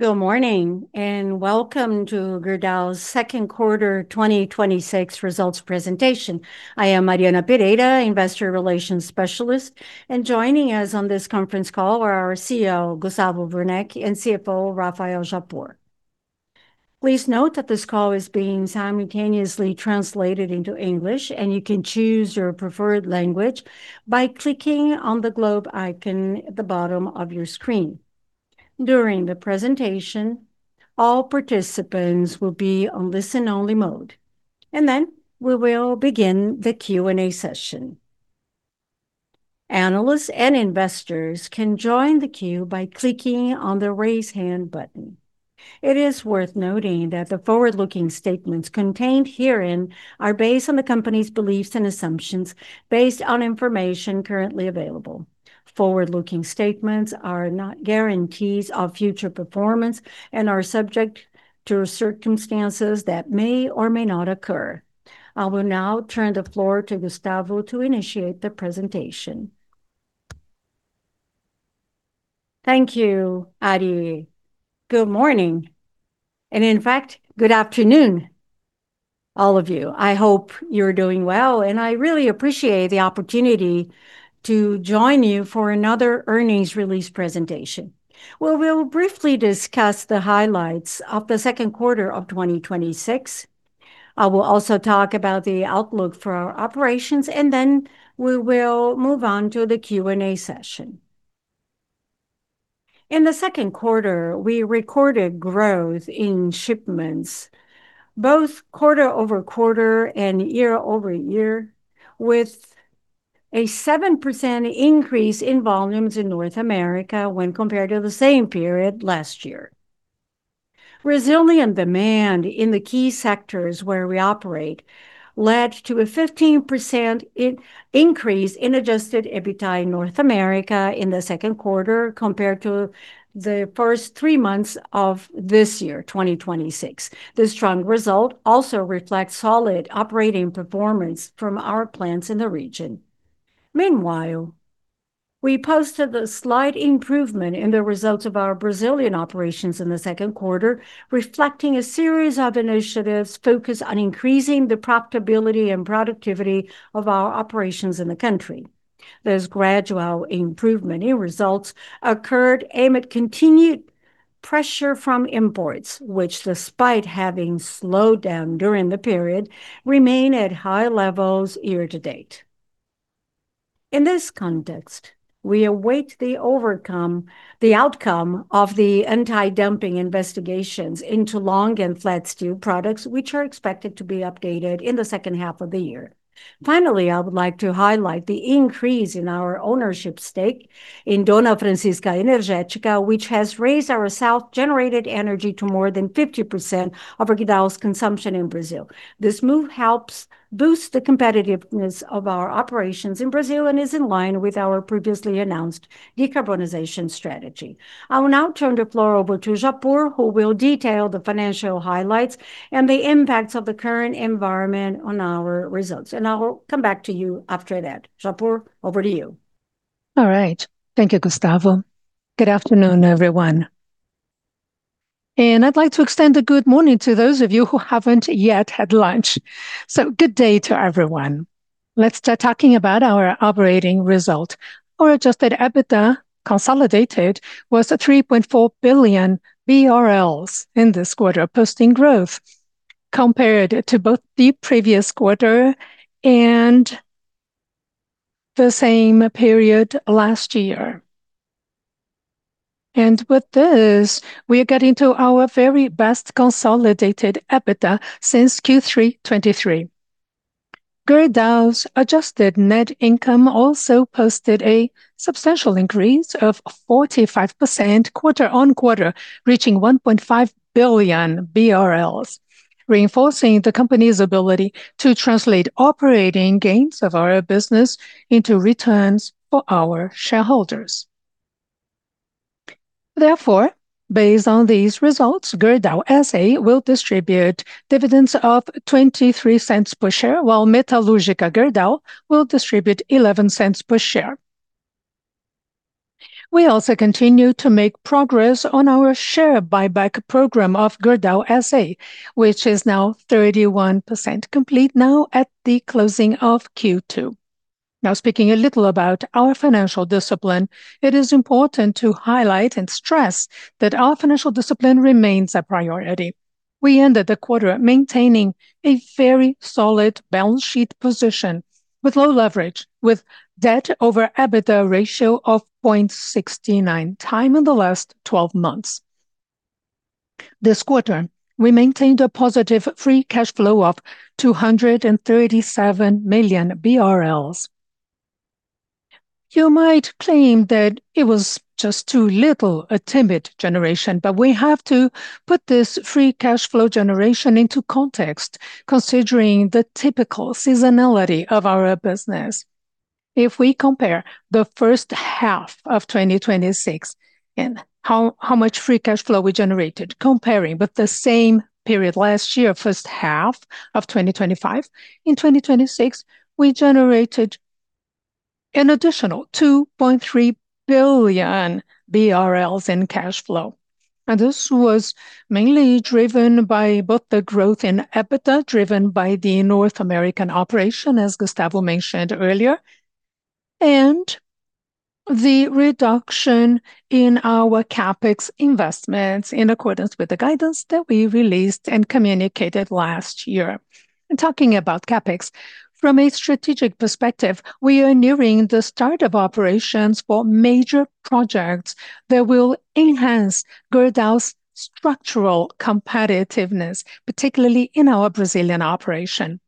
Good morning, welcome to Gerdau's second quarter 2026 results presentation. I am Mariana Dutra, Investor Relations Specialist, and joining us on this conference call are our CEO, Gustavo Werneck, and CFO, Rafael Japur. Please note that this call is being simultaneously translated into English, and you can choose your preferred language by clicking on the globe icon at the bottom of your screen. During the presentation, all participants will be on listen-only mode, we will begin the Q&A session. Analysts and investors can join the queue by clicking on the raise hand button. It is worth noting that the forward-looking statements contained herein are based on the company's beliefs and assumptions, based on information currently available. Forward-looking statements are not guarantees of future performance and are subject to circumstances that may or may not occur. I will now turn the floor to Gustavo to initiate the presentation. Thank you, Mari. Good morning, in fact, good afternoon, all of you. I hope you're doing well, I really appreciate the opportunity to join you for another earnings release presentation, where we'll briefly discuss the highlights of the second quarter of 2026. I will also talk about the outlook for our operations, we will move on to the Q&A session. In the second quarter, we recorded growth in shipments both quarter-over-quarter and year-over-year, with a 7% increase in volumes in North America when compared to the same period last year. Resilient demand in the key sectors where we operate led to a 15% increase in adjusted EBITDA in North America in the second quarter, compared to the first three months of this year, 2026. This strong result also reflects solid operating performance from our plants in the region. Meanwhile, we posted a slight improvement in the results of our Brazilian operations in the second quarter, reflecting a series of initiatives focused on increasing the profitability and productivity of our operations in the country. This gradual improvement in results occurred amid continued pressure from imports, which despite having slowed down during the period, remain at high levels year-to-date. In this context, we await the outcome of the anti-dumping investigations into long and flat steel products, which are expected to be updated in the second half of the year. Finally, I would like to highlight the increase in our ownership stake in Dona Francisca Energética, which has raised our self-generated energy to more than 50% of Gerdau's consumption in Brazil. This move helps boost the competitiveness of our operations in Brazil and is in line with our previously announced decarbonization strategy. I will now turn the floor over to Japur, who will detail the financial highlights and the impacts of the current environment on our results. I will come back to you after that. Japur, over to you. Thank you, Gustavo. Good afternoon, everyone. I'd like to extend a good morning to those of you who haven't yet had lunch. Good day to everyone. Let's start talking about our operating result. Our adjusted EBITDA consolidated was 3.4 billion BRL in this quarter, posting growth compared to both the previous quarter and the same period last year. With this, we are getting to our very best consolidated EBITDA since Q3 2023. Gerdau's adjusted net income also posted a substantial increase of 45% quarter-on-quarter, reaching 1.5 billion BRL, reinforcing the company's ability to translate operating gains of our business into returns for our shareholders. Therefore, based on these results, Gerdau S.A. will distribute dividends of 0.23 per share, while Metalúrgica Gerdau will distribute 0.11 per share. We also continue to make progress on our share buyback program of Gerdau S.A., which is 31% complete at the closing of Q2. Speaking a little about our financial discipline, it is important to highlight and stress that our financial discipline remains a priority. We ended the quarter maintaining a very solid balance sheet position with low leverage, with debt over EBITDA ratio of 0.69x in the last 12 months. This quarter, we maintained a positive free cash flow of 237 million BRL. You might claim that it was just too little, a timid generation. We have to put this free cash flow generation into context, considering the typical seasonality of our business. If we compare the first half of 2026 and how much free cash flow we generated comparing with the same period last year, first half of 2025. In 2026, we generated an additional 2.3 billion BRL in cash flow. This was mainly driven by both the growth in EBITDA, driven by the North American operation, as Gustavo mentioned earlier, and the reduction in our CapEx investments in accordance with the guidance that we released and communicated last year. Talking about CapEx, from a strategic perspective, we are nearing the start of operations for major projects that will enhance Gerdau's structural competitiveness, particularly in our Brazilian operation.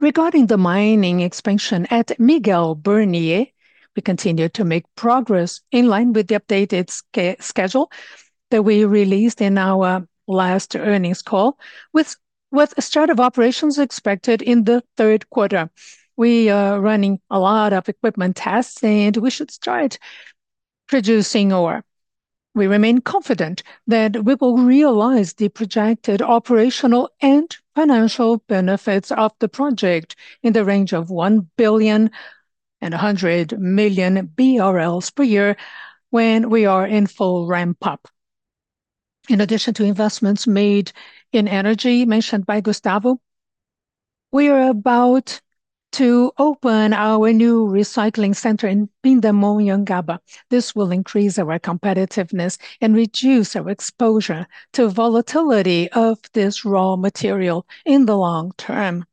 Regarding the mining expansion at Miguel Burnier, we continue to make progress in line with the updated schedule that we released in our last earnings call, with the start of operations expected in the third quarter. We are running a lot of equipment tests, and we should start producing ore. We remain confident that we will realize the projected operational and financial benefits of the project in the range of 1.1 billion per year when we are in full ramp-up. In addition to investments made in energy mentioned by Gustavo, we are about to open our new recycling center in Pindamonhangaba. This will increase our competitiveness and reduce our exposure to volatility of this raw material in the long term.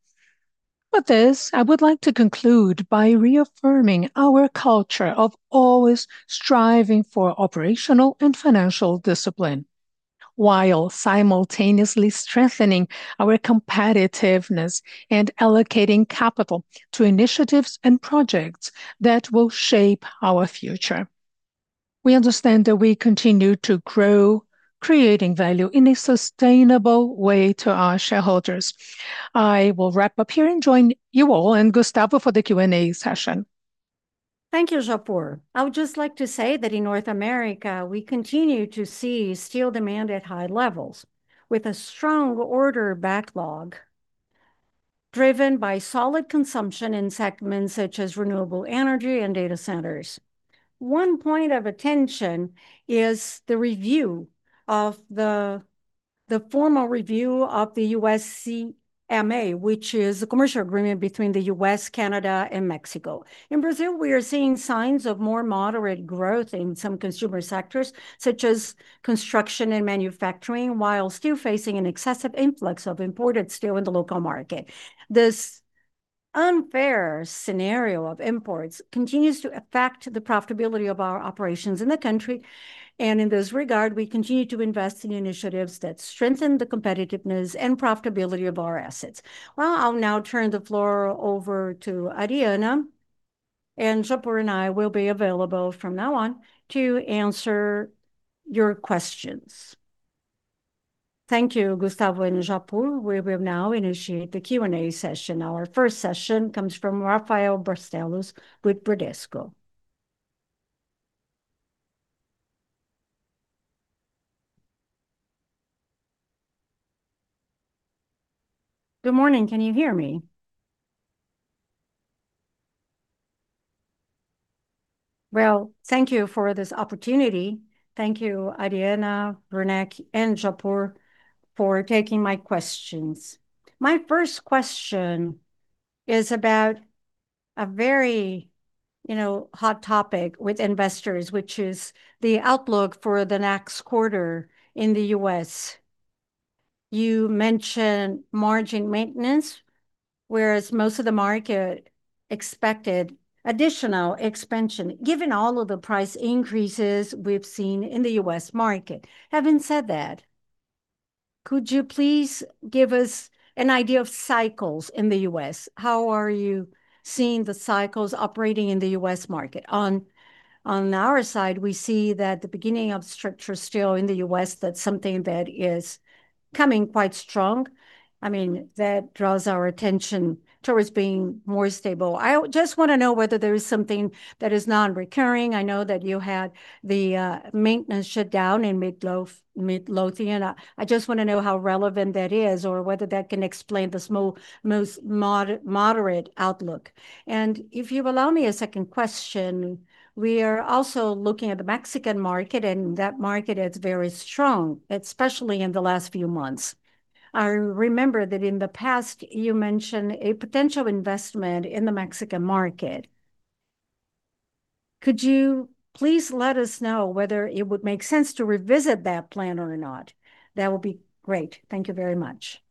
With this, I would like to conclude by reaffirming our culture of always striving for operational and financial discipline, while simultaneously strengthening our competitiveness and allocating capital to initiatives and projects that will shape our future. We understand that we continue to grow, creating value in a sustainable way to our shareholders. I will wrap up here and join you all and Gustavo for the Q&A session. Thank you, Japur. I would just like to say that in North America, we continue to see steel demand at high levels, with a strong order backlog driven by solid consumption in segments such as renewable energy and data centers. One point of attention is the formal review of the USMCA, which is a commercial agreement between the U.S., Canada, and Mexico. In Brazil, we are seeing signs of more moderate growth in some consumer sectors, such as construction and manufacturing, while still facing an excessive influx of imported steel in the local market. This unfair scenario of imports continues to affect the profitability of our operations in the country, and in this regard, we continue to invest in initiatives that strengthen the competitiveness and profitability of our assets. Well, I'll now turn the floor over to Mariana. Japur and I will be available from now on to answer your questions. Thank you, Gustavo and Japur. We will now initiate the Q&A session. Our first session comes from Rafael Barcellos with Bradesco. Good morning. Can you hear me? Well, thank you for this opportunity. Thank you, Mariana, Werneck, and Japur for taking my questions. My first question is about a very hot topic with investors, which is the outlook for the next quarter in the U.S. You mentioned margin maintenance, whereas most of the market expected additional expansion, given all of the price increases we've seen in the U.S. market. Having said that, could you please give us an idea of cycles in the U.S.? How are you seeing the cycles operating in the U.S. market? On our side, we see that the beginning of structured steel in the U.S., that's something that is coming quite strong. That draws our attention towards being more stable. I just want to know whether there is something that is non-recurring. I know that you had the maintenance shutdown in Midlothian. I just want to know how relevant that is, or whether that can explain the most moderate outlook. If you allow me a second question, we are also looking at the Mexican market, that market is very strong, especially in the last few months. I remember that in the past, you mentioned a potential investment in the Mexican market. Could you please let us know whether it would make sense to revisit that plan or not? That would be great. Thank you very much.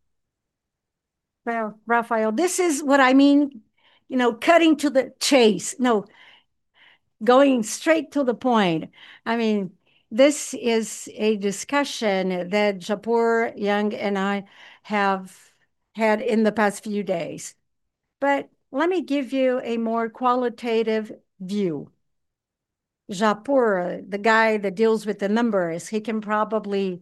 Well, Rafael, this is what I mean cutting to the chase. No. Going straight to the point. This is a discussion that Japur, Wang, and I have had in the past few days. Let me give you a more qualitative view. Japur, the guy that deals with the numbers, he can probably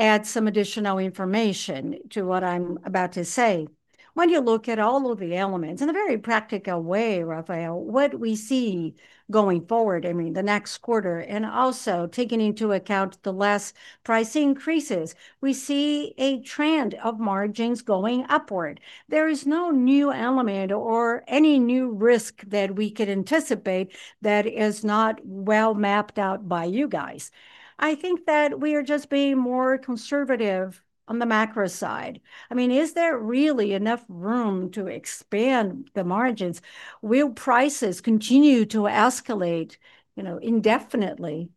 add some additional information to what I'm about to say. When you look at all of the elements in a very practical way, Rafael, what we see going forward, the next quarter, and also taking into account the less price increases, we see a trend of margins going upward. There is no new element or any new risk that we could anticipate that is not well mapped out by you guys. I think that we are just being more conservative on the macro side. Is there really enough room to expand the margins? Will prices continue to escalate indefinitely?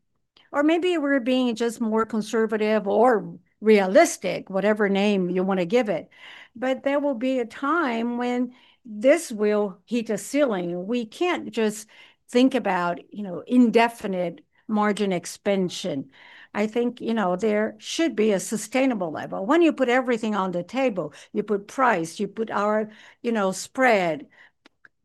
Maybe we're being just more conservative or realistic, whatever name you want to give it. There will be a time when this will hit a ceiling. We can't just think about indefinite margin expansion. I think there should be a sustainable level. When you put everything on the table, you put price, you put our spread,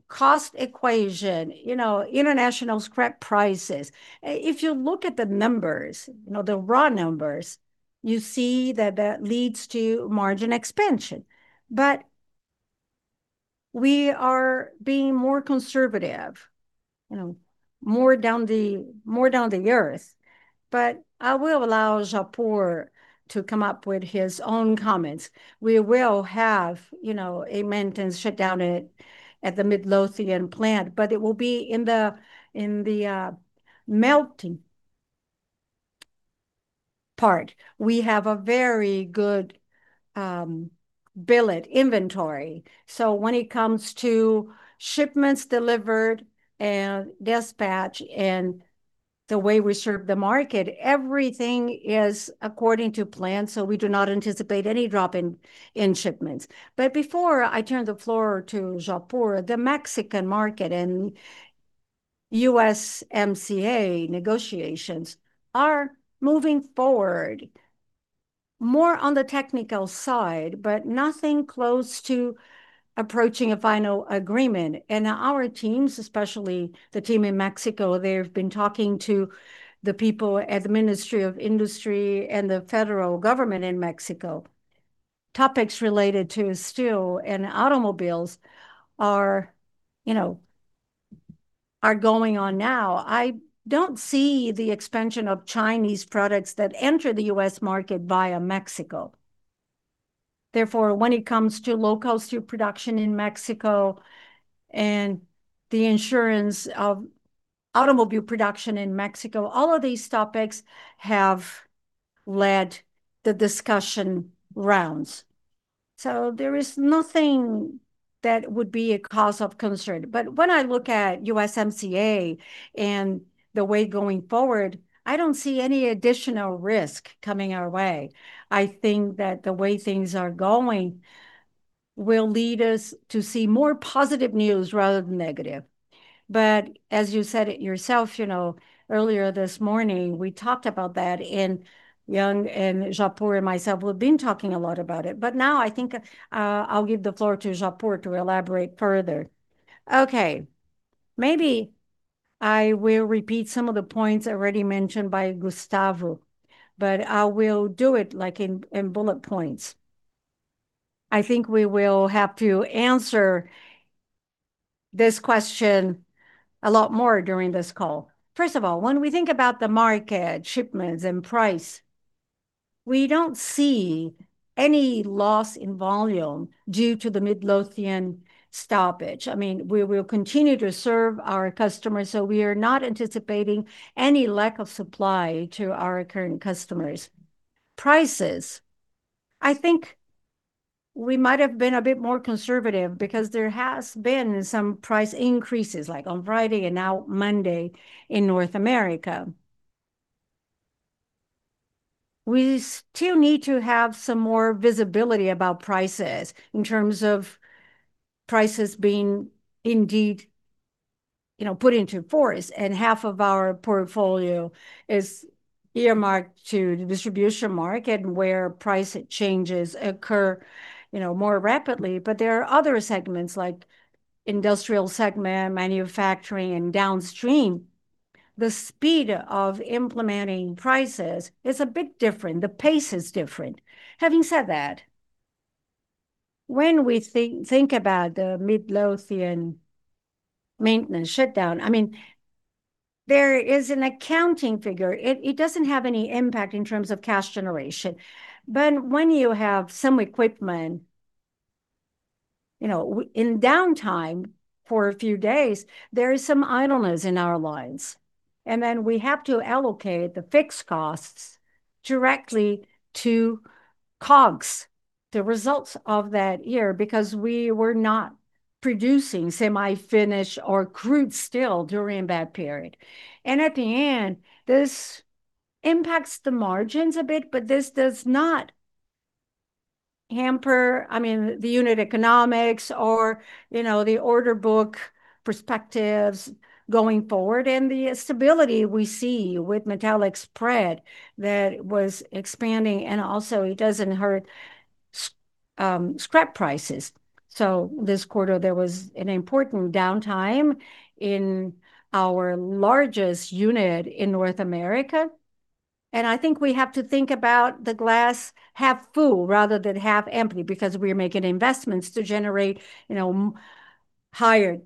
cost equation, international scrap prices. If you look at the numbers, the raw numbers, you see that that leads to margin expansion. We are being more conservative, more down to earth. I will allow Japur to come up with his own comments. We will have a maintenance shutdown at the Midlothian plant, but it will be in the melting part. We have a very good billet inventory. When it comes to shipments delivered and dispatch and the way we serve the market, everything is according to plan, so we do not anticipate any drop in shipments. Before I turn the floor to Japur, the Mexican market and USMCA negotiations are moving forward more on the technical side, but nothing close to approaching a final agreement. Our teams, especially the team in Mexico, they've been talking to the people at the Ministry of Industry and the federal government in Mexico. Topics related to steel and automobiles are going on now. I don't see the expansion of Chinese products that enter the U.S. market via Mexico. Therefore, when it comes to low-cost steel production in Mexico and the insurance of automobile production in Mexico, all of these topics have led the discussion rounds. There is nothing that would be a cause of concern. When I look at USMCA and the way going forward, I don't see any additional risk coming our way. I think that the way things are going will lead us to see more positive news rather than negative. As you said it yourself earlier this morning, we talked about that, and Wang and Japur and myself, we've been talking a lot about it. Now I think I'll give the floor to Japur to elaborate further. Okay. Maybe I will repeat some of the points already mentioned by Gustavo, but I will do it in bullet points. I think we will have to answer this question a lot more during this call. First of all, when we think about the market, shipments, and price, we don't see any loss in volume due to the Midlothian stoppage. We will continue to serve our customers, so we are not anticipating any lack of supply to our current customers. Prices. I think we might have been a bit more conservative because there has been some price increases, like on Friday and now Monday in North America. We still need to have some more visibility about prices in terms of prices being indeed put into force, and half of our portfolio is earmarked to the distribution market where price changes occur more rapidly. There are other segments like industrial segment, manufacturing, and downstream. The speed of implementing prices is a bit different. The pace is different. Having said that, when we think about the Midlothian maintenance shutdown, there is an accounting figure. It doesn't have any impact in terms of cash generation. When you have some equipment in downtime for a few days, there is some idleness in our lines. We have to allocate the fixed costs directly to COGS, the results of that year, because we were not producing semi-finished or crude steel during that period. At the end, this impacts the margins a bit, but this does not hamper the unit economics or the order book perspectives going forward, and the stability we see with metallic spread that was expanding, and also it doesn't hurt scrap prices. This quarter, there was an important downtime in our largest unit in North America, and I think we have to think about the glass half full rather than half empty because we're making investments to generate higher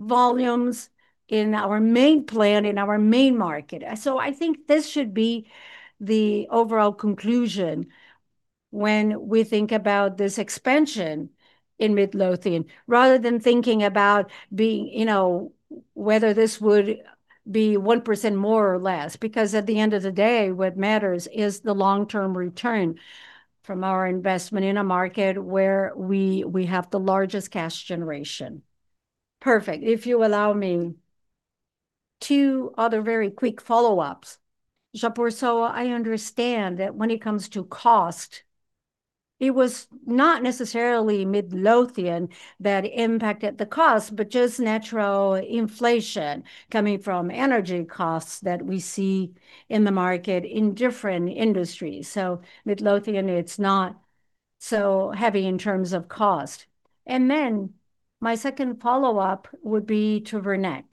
volumes in our main plant, in our main market. I think this should be the overall conclusion when we think about this expansion in Midlothian, rather than thinking about whether this would be 1% more or less. At the end of the day, what matters is the long-term return from our investment in a market where we have the largest cash generation. Perfect. If you allow me two other very quick follow-ups. Japur, I understand that when it comes to cost, it was not necessarily Midlothian that impacted the cost, but just natural inflation coming from energy costs that we see in the market in different industries. Midlothian, it's not so heavy in terms of cost. My second follow-up would be to Werneck.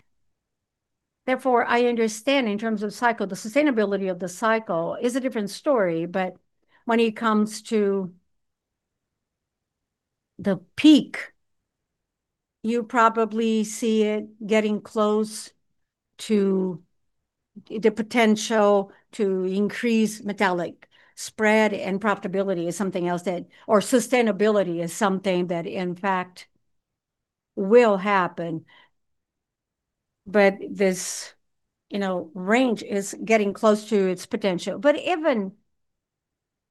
I understand in terms of cycle, the sustainability of the cycle is a different story. When it comes to the peak, you probably see it getting close to the potential to increase metallic spread, or profitability is something else that sustainability is something that in fact will happen. This range is getting close to its potential. Even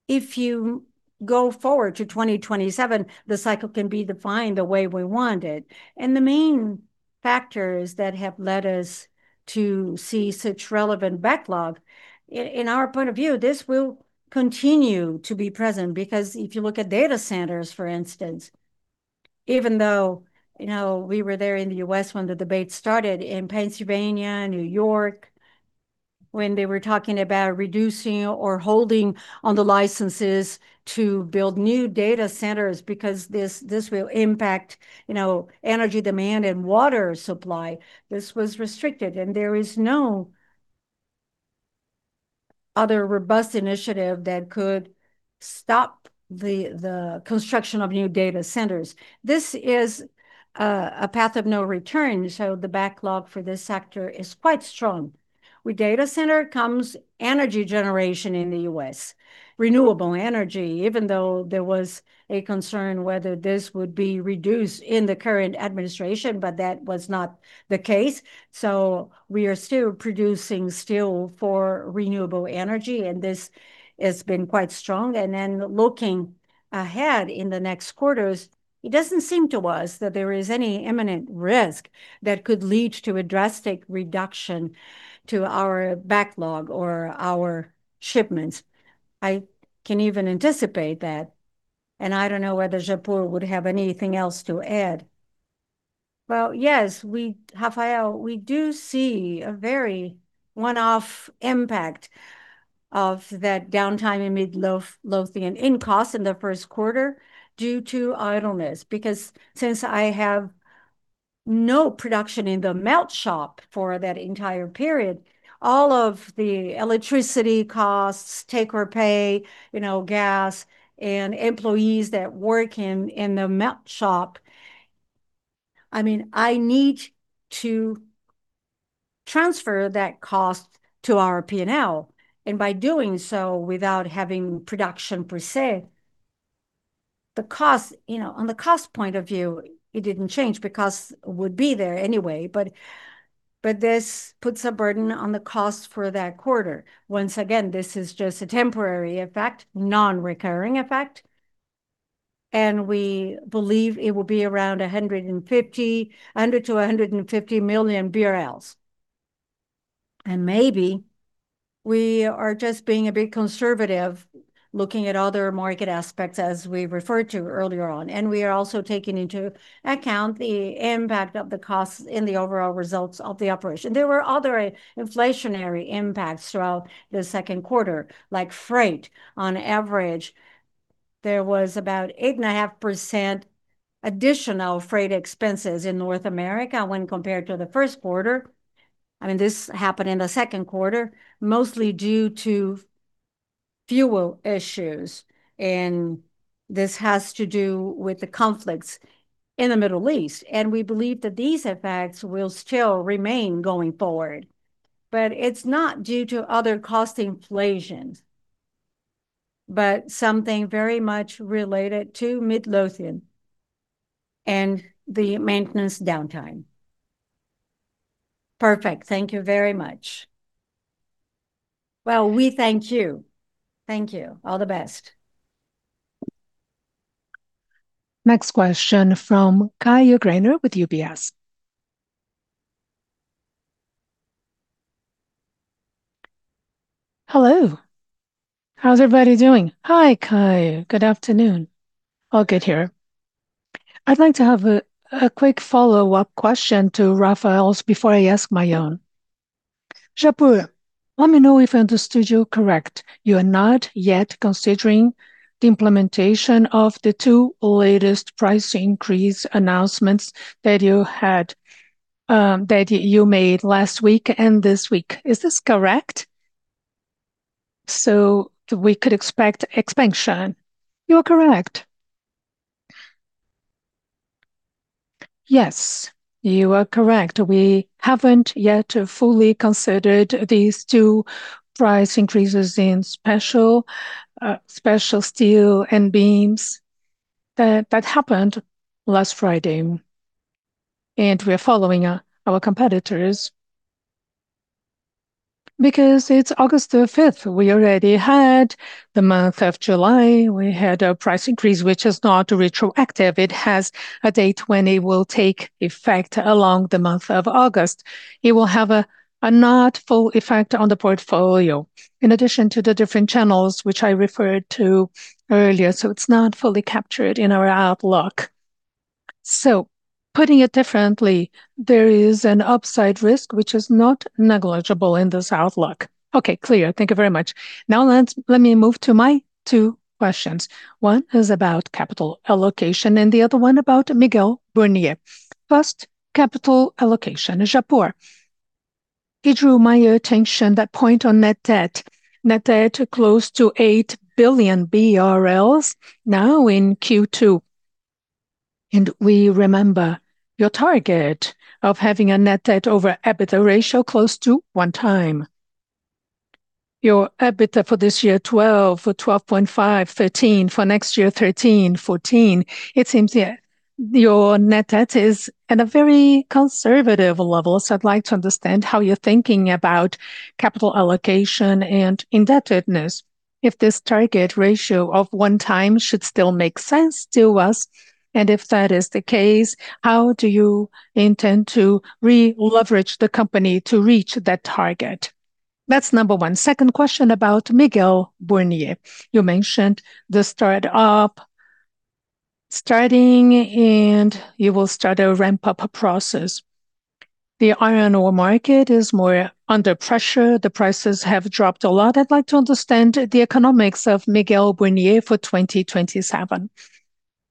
if you go forward to 2027, the cycle can be defined the way we want it. The main factors that have led us to see such relevant backlog, in our point of view, this will continue to be present. If you look at data centers, for instance, even though we were there in the U.S. when the debate started in Pennsylvania, New York, when they were talking about reducing or holding on the licenses to build new data centers because this will impact energy demand and water supply. This was restricted. There is no other robust initiative that could stop the construction of new data centers. This is a path of no return. The backlog for this sector is quite strong. With data center comes energy generation in the U.S., renewable energy, even though there was a concern whether this would be reduced in the current administration, that was not the case. We are still producing steel for renewable energy, and this has been quite strong. Looking ahead in the next quarters, it doesn't seem to us that there is any imminent risk that could lead to a drastic reduction to our backlog or our shipments. I can even anticipate that, and I don't know whether Japur would have anything else to add. Well, yes, Rafael, we do see a very one-off impact of that downtime in Midlothian in cost in the first quarter due to idleness. Because since I have no production in the melt shop for that entire period, all of the electricity costs take or pay, gas and employees that work in the melt shop, I need to transfer that cost to our P&L. By doing so, without having production per se, on the cost point of view, it didn't change because it would be there anyway, but this puts a burden on the cost for that quarter. Once again, this is just a temporary effect, non-recurring effect, and we believe it will be around 100 million-150 million BRL. Maybe we are just being a bit conservative looking at other market aspects as we referred to earlier on. We are also taking into account the impact of the costs in the overall results of the operation. There were other inflationary impacts throughout the second quarter, like freight. On average, there was about 8.5% additional freight expenses in North America when compared to the first quarter. This happened in the second quarter, mostly due to fuel issues, this has to do with the conflicts in the Middle East, we believe that these effects will still remain going forward. It's not due to other cost inflations, but something very much related to Midlothian and the maintenance downtime. Perfect. Thank you very much. Well, we thank you. Thank you. All the best. Next question from Caio Greiner with UBS. Hello. How's everybody doing? Hi, Caio. Good afternoon. All good here. I'd like to have a quick follow-up question to Rafael's before I ask my own. Japur, let me know if I understood you correct. You are not yet considering the implementation of the two latest price increase announcements that you made last week and this week. Is this correct? So we could expect expansion. You are correct. Yes, you are correct. We haven't yet fully considered these two price increases in special steel and beams that happened last Friday, and we are following our competitors. Because it's August 5th, we already had the month of July, we had a price increase, which is not retroactive. It has a date when it will take effect along the month of August. It will have a not full effect on the portfolio. In addition to the different channels which I referred to earlier, it's not fully captured in our outlook. Putting it differently, there is an upside risk, which is not negligible in this outlook. Okay, clear. Thank you very much. Now let me move to my two questions. One is about capital allocation and the other one about Miguel Burnier. First, capital allocation. Japur, it drew my attention that point on net debt. Net debt close to 8 billion BRL now in Q2, and we remember your target of having a net debt over EBITDA ratio close to 1x. Your EBITDA for this year, 12 billion or 12.5 billion, 13 billion. For next year, 13 billion, 14 billion. It seems your net debt is at a very conservative level. I'd like to understand how you're thinking about capital allocation and indebtedness if this target ratio of 1x should still make sense to us. If that is the case, how do you intend to re-leverage the company to reach that target? That's number one. Second question about Miguel Burnier. You mentioned the start-up starting and you will start a ramp-up process. The iron ore market is more under pressure. The prices have dropped a lot. I'd like to understand the economics of Miguel Burnier for 2027.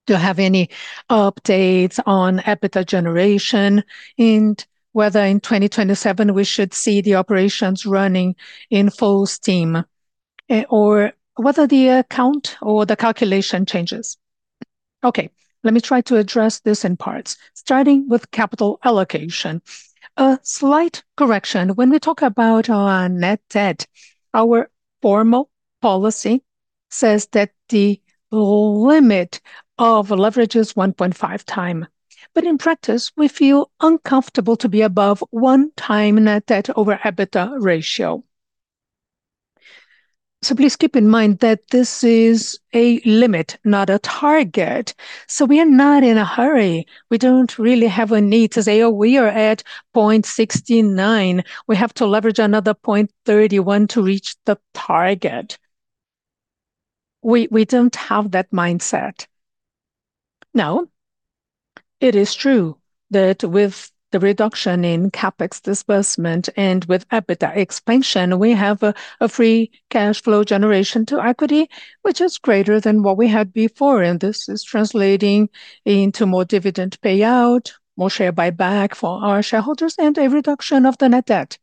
Do you have any updates on EBITDA generation and whether in 2027 we should see the operations running in full steam or whether the account or the calculation changes? Let me try to address this in parts, starting with capital allocation. A slight correction. When we talk about our net debt, our formal policy says that the limit of leverage is 1.5x. But in practice, we feel uncomfortable to be above 1x net debt over EBITDA ratio. Please keep in mind that this is a limit, not a target. We are not in a hurry. We don't really have a need to say, "Oh, we are at 0.69x. We have to leverage another 0.31x to reach the target." We don't have that mindset. Now, it is true that with the reduction in CapEx disbursement and with EBITDA expansion, we have a free cash flow generation to equity, which is greater than what we had before. This is translating into more dividend payout, more share buyback for our shareholders, and a reduction of the net debt.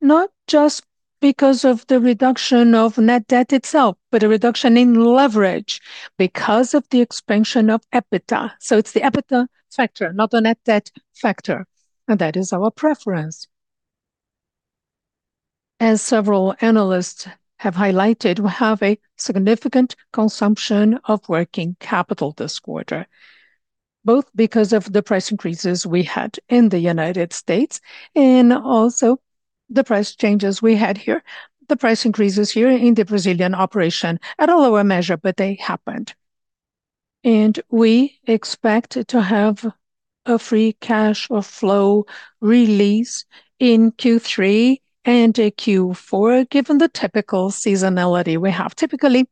Not just because of the reduction of net debt itself, but a reduction in leverage because of the expansion of EBITDA. It's the EBITDA factor, not the net debt factor, and that is our preference. As several analysts have highlighted, we have a significant consumption of working capital this quarter, both because of the price increases we had in the United States and also the price changes we had here. The price increases here in the Brazilian operation at a lower measure, but they happened. We expect to have a free cash flow release in Q3 and Q4, given the typical seasonality we have. Typically,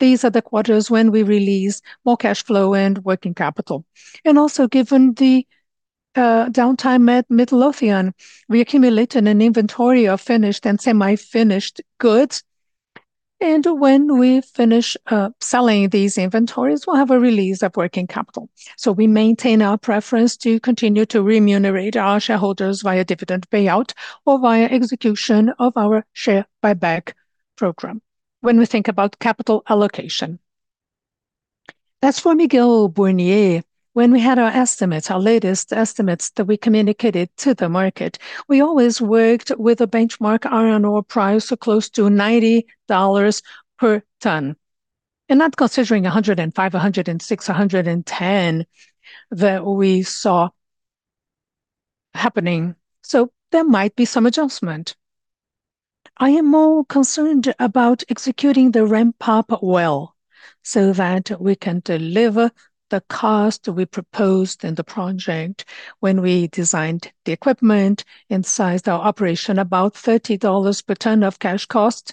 these are the quarters when we release more cash flow and working capital. Also given the downtime at Midlothian, we accumulated an inventory of finished and semi-finished goods, and when we finish selling these inventories, we'll have a release of working capital. We maintain our preference to continue to remunerate our shareholders via dividend payout or via execution of our share buyback program when we think about capital allocation. As for Miguel Burnier, when we had our estimates, our latest estimates that we communicated to the market, we always worked with a benchmark iron ore price close to $90 per ton, and not considering $105, $106, $110 that we saw happening. There might be some adjustment. I am more concerned about executing the ramp-up well so that we can deliver the cost we proposed in the project when we designed the equipment and sized our operation about $30 per ton of cash cost,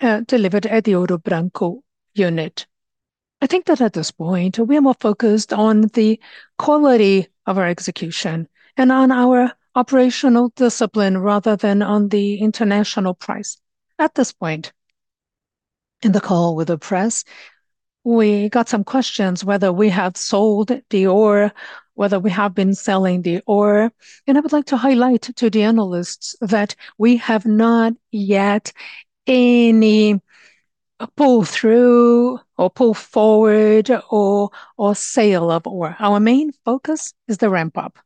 delivered at the Ouro Branco unit. I think that at this point, we are more focused on the quality of our execution and on our operational discipline rather than on the international price at this point. In the call with the press, we got some questions whether we have sold the ore, whether we have been selling the ore, I would like to highlight to the analysts that we have not yet any pull through or pull forward or sale of ore. Our main focus is the ramp-up.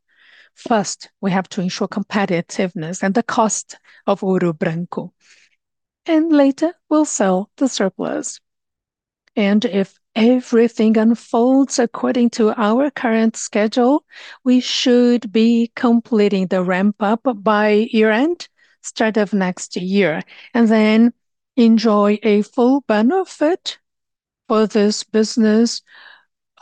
First, we have to ensure competitiveness and the cost of Ouro Branco, later we'll sell the surplus. If everything unfolds according to our current schedule, we should be completing the ramp-up by year-end, start of next year, and then enjoy a full benefit for this business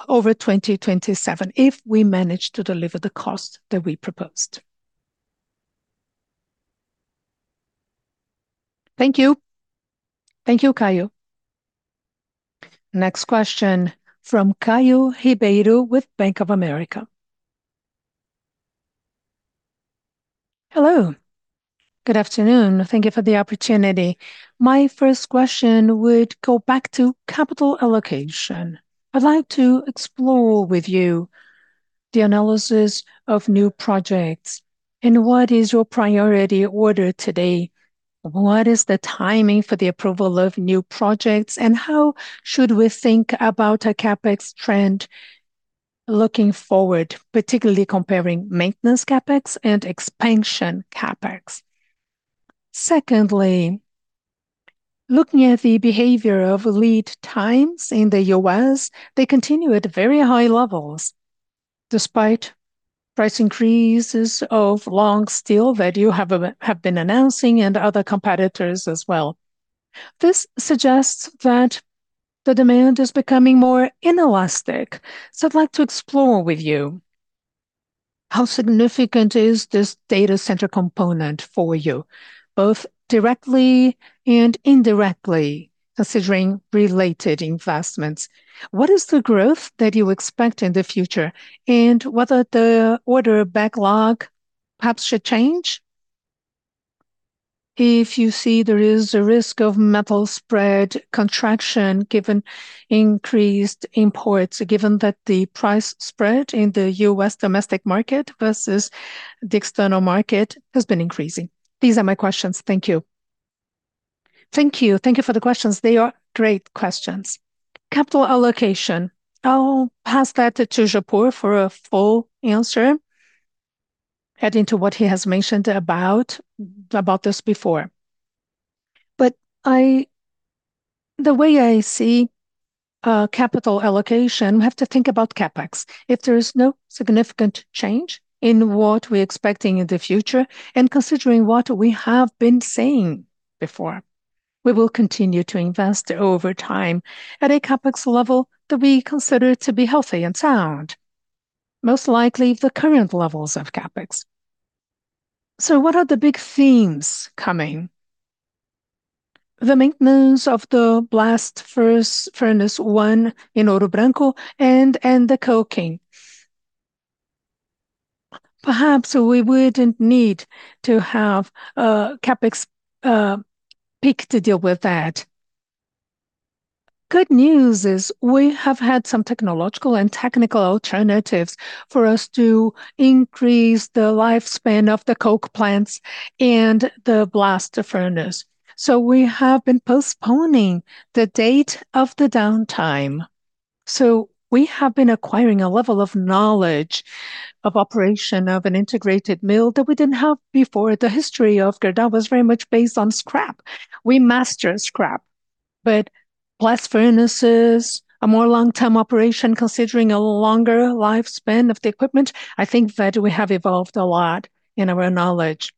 over 2027 if we manage to deliver the cost that we proposed. Thank you. Thank you, Caio. Next question from Caio Ribeiro with Bank of America. Hello. Good afternoon. Thank you for the opportunity. My first question would go back to capital allocation. I'd like to explore with you the analysis of new projects and what is your priority order today? What is the timing for the approval of new projects, and how should we think about a CapEx trend looking forward, particularly comparing maintenance CapEx and expansion CapEx? Secondly, looking at the behavior of lead times in the U.S., they continue at very high levels despite price increases of long steel that you have been announcing and other competitors as well. This suggests that the demand is becoming more inelastic. I'd like to explore with you how significant is this data center component for you, both directly and indirectly, considering related investments. What is the growth that you expect in the future, and whether the order backlog perhaps should change? If you see there is a risk of metal spread contraction, given increased imports, given that the price spread in the U.S. domestic market versus the external market has been increasing. These are my questions. Thank you. Thank you. Thank you for the questions. They are great questions. Capital allocation. I'll pass that to Japur for a full answer, adding to what he has mentioned about this before. The way I see capital allocation, we have to think about CapEx. If there is no significant change in what we're expecting in the future and considering what we have been saying before, we will continue to invest over time at a CapEx level that we consider to be healthy and sound. Most likely the current levels of CapEx. What are the big themes coming? The maintenance of the Blast Furnace 1 in Ouro Branco and the coking. Perhaps we wouldn't need to have a CapEx peak to deal with that. Good news is we have had some technological and technical alternatives for us to increase the lifespan of the coke plants and the blast furnace. We have been postponing the date of the downtime. We have been acquiring a level of knowledge of operation of an integrated mill that we didn't have before. The history of Gerdau was very much based on scrap. We master scrap. Blast furnaces, a more long-term operation considering a longer lifespan of the equipment, I think that we have evolved a lot in our knowledge.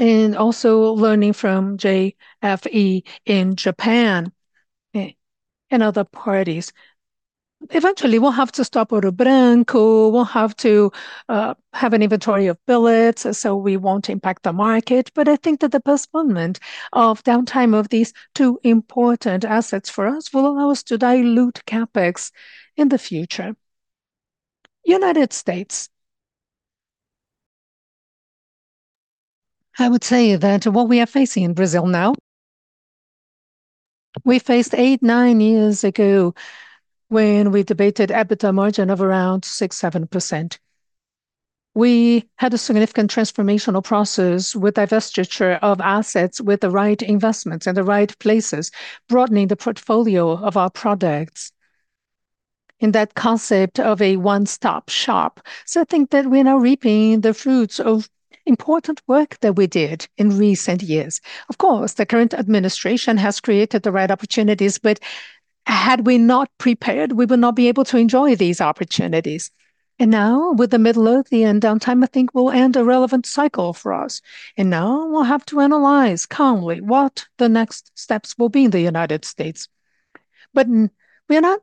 Also learning from JFE in Japan and other parties. Eventually, we'll have to stop Ouro Branco. We'll have to have an inventory of billets, so we won't impact the market. I think that the postponement of downtime of these two important assets for us will allow us to dilute CapEx in the future. United States. I would say that what we are facing in Brazil now, we faced eight, nine years ago when we debated EBITDA margin of around 6%, 7%. We had a significant transformational process with divestiture of assets with the right investments in the right places, broadening the portfolio of our products in that concept of a one-stop shop. I think that we are now reaping the fruits of important work that we did in recent years. Of course, the current administration has created the right opportunities, but had we not prepared, we would not be able to enjoy these opportunities. Now with the Midlothian downtime, I think will end a relevant cycle for us. Now we'll have to analyze calmly what the next steps will be in the United States. We are not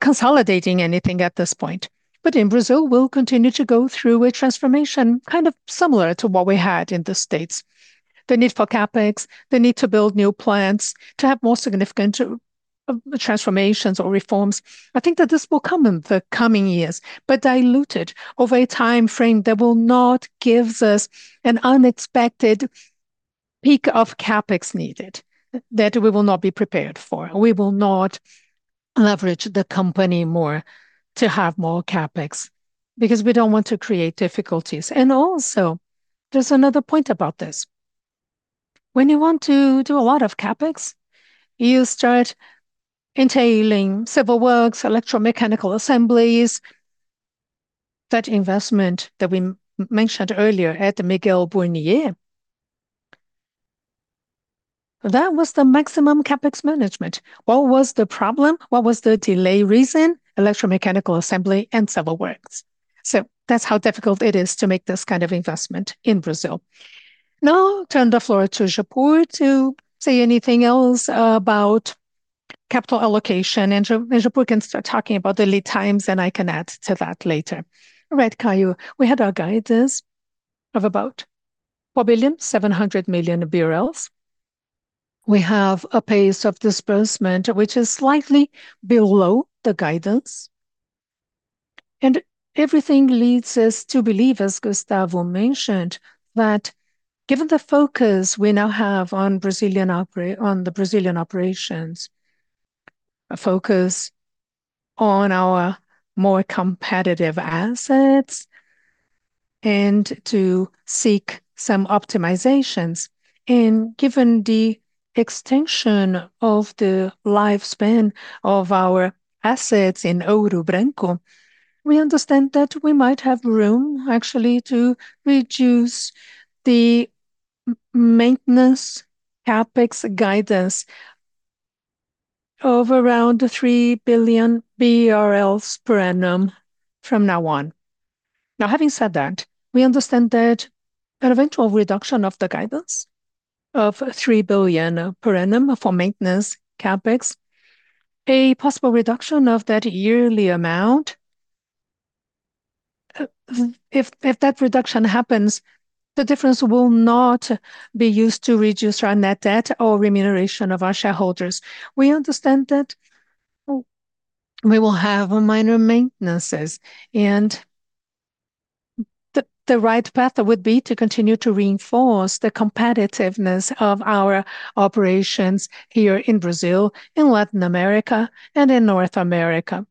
consolidating anything at this point. In Brazil, we'll continue to go through a transformation kind of similar to what we had in the States. The need for CapEx, the need to build new plants, to have more significant transformations or reforms. I think that this will come in the coming years, but diluted over a timeframe that will not give us an unexpected peak of CapEx needed that we will not be prepared for. We will not leverage the company more to have more CapEx because we don't want to create difficulties. Also, there's another point about this. When you want to do a lot of CapEx, you start entailing civil works, electromechanical assemblies. That investment that we mentioned earlier at Miguel Burnier. That was the maximum CapEx management. What was the problem? What was the delay reason? Electromechanical assembly and civil works. That's how difficult it is to make this kind of investment in Brazil. Now I'll turn the floor to Japur to say anything else about capital allocation, and Japur can start talking about the lead times, and I can add to that later. Right, Caio. We had our guidance of about 4.7 billion. We have a pace of disbursement which is slightly below the guidance, and everything leads us to believe, as Gustavo mentioned, that given the focus we now have on the Brazilian operations, a focus on our more competitive assets, and to seek some optimizations. Given the extension of the lifespan of our assets in Ouro Branco, we understand that we might have room actually to reduce the maintenance CapEx guidance of around 3 billion BRL per annum from now on. Having said that, we understand that an eventual reduction of the guidance of 3 billion per annum for maintenance CapEx, a possible reduction of that yearly amount. If that reduction happens, the difference will not be used to reduce our net debt or remuneration of our shareholders. We understand that we will have minor maintenances, and the right path would be to continue to reinforce the competitiveness of our operations here in Brazil, in Latin America, and in North America.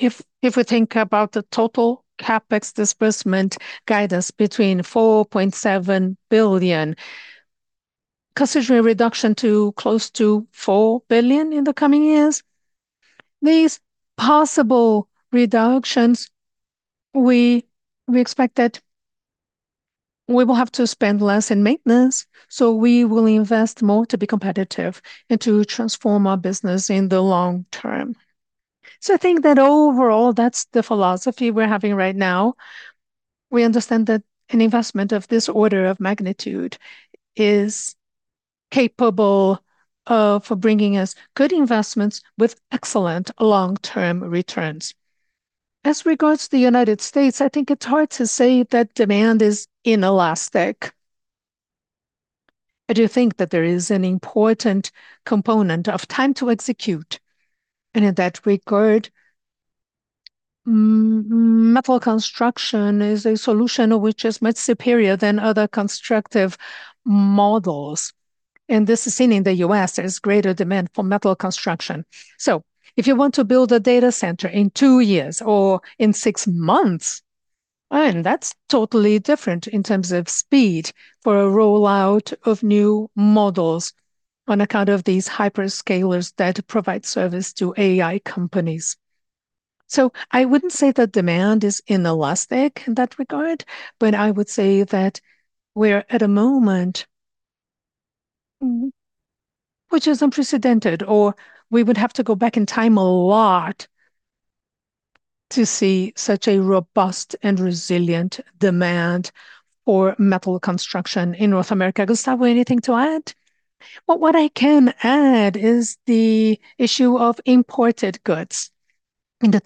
If we think about the total CapEx disbursement guidance between 4.7 billion, considering a reduction to close to 4 billion in the coming years. These possible reductions, we expect that we will have to spend less in maintenance, so we will invest more to be competitive and to transform our business in the long term. I think that overall, that's the philosophy we're having right now. We understand that an investment of this order of magnitude is capable for bringing us good investments with excellent long-term returns. As regards the United States, I think it's hard to say that demand is inelastic. I do think that there is an important component of time to execute, and in that regard, metal construction is a solution which is much superior than other constructive models. This is seen in the U.S., there's greater demand for metal construction. If you want to build a data center in two years or in six months, that's totally different in terms of speed for a rollout of new models on account of these hyperscalers that provide service to AI companies. I wouldn't say that demand is inelastic in that regard, but I would say that we're at a moment which is unprecedented, or we would have to go back in time a lot to see such a robust and resilient demand for metal construction in North America. Gustavo, anything to add? Well, what I can add is the issue of imported goods in the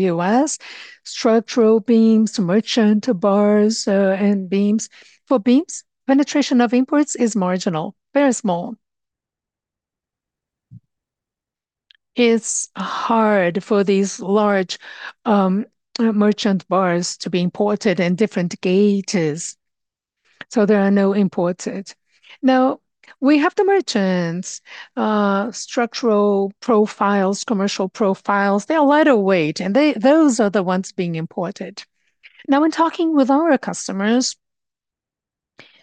U.S., structural beams, merchant bars, and beams. For beams, penetration of imports is marginal, very small. It's hard for these large merchant bars to be imported in different gauges, there are no imports. We have the merchants, structural profiles, commercial profiles. They are lighter weight, and those are the ones being imported. When talking with our customers,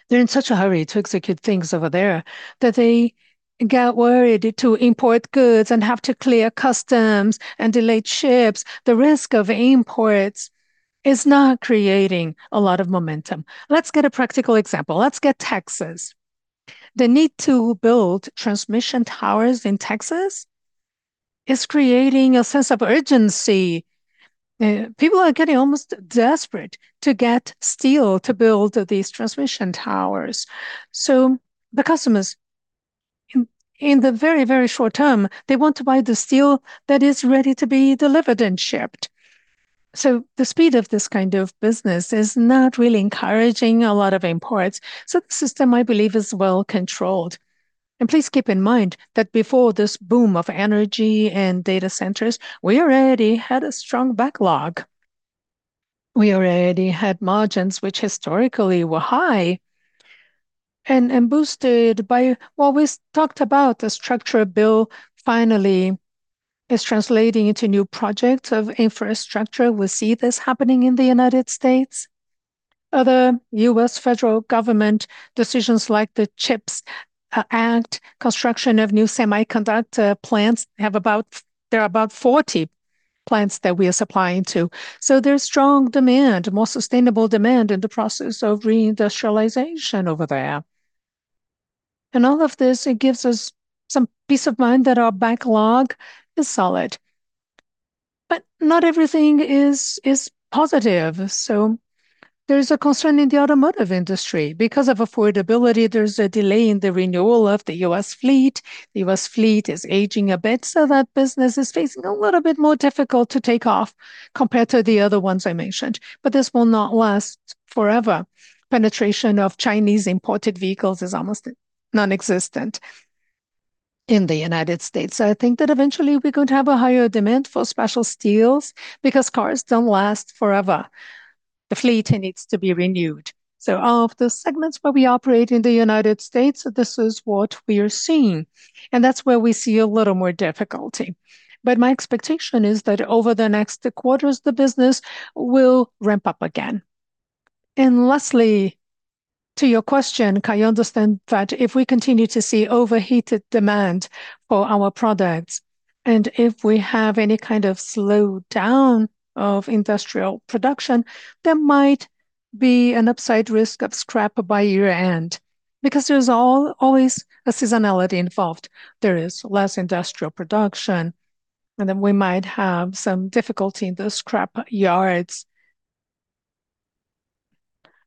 they're in such a hurry to execute things over there that they get worried to import goods and have to clear customs and delayed ships. The risk of imports is not creating a lot of momentum. Let's get a practical example. Let's get Texas. The need to build transmission towers in Texas. It's creating a sense of urgency. People are getting almost desperate to get steel to build these transmission towers. The customers, in the very short term, they want to buy the steel that is ready to be delivered and shipped. The speed of this kind of business is not really encouraging a lot of imports. The system, I believe, is well controlled. Please keep in mind that before this boom of energy and data centers, we already had a strong backlog. We already had margins which historically were high and boosted by what we talked about, the structural bill finally is translating into new projects of infrastructure. We see this happening in the United States. Other U.S. federal government decisions like the CHIPS Act, construction of new semiconductor plants, there are about 40 plants that we are supplying to. There's strong demand, more sustainable demand in the process of reindustrialization over there. All of this, it gives us some peace of mind that our backlog is solid. Not everything is positive. There is a concern in the automotive industry. Because of affordability, there's a delay in the renewal of the U.S. fleet. The U.S. fleet is aging a bit, that business is facing a little bit more difficult to take off compared to the other ones I mentioned. This will not last forever. Penetration of Chinese-imported vehicles is almost nonexistent in the United States. I think that eventually we're going to have a higher demand for special steels because cars don't last forever. The fleet needs to be renewed. Of the segments where we operate in the United States, this is what we are seeing, and that's where we see a little more difficulty. My expectation is that over the next quarters, the business will ramp up again. Lastly, to your question, Caio, you understand that if we continue to see overheated demand for our products, if we have any kind of slowdown of industrial production, there might be an upside risk of scrap by year-end because there's always a seasonality involved. There is less industrial production, then we might have some difficulty in the scrap yards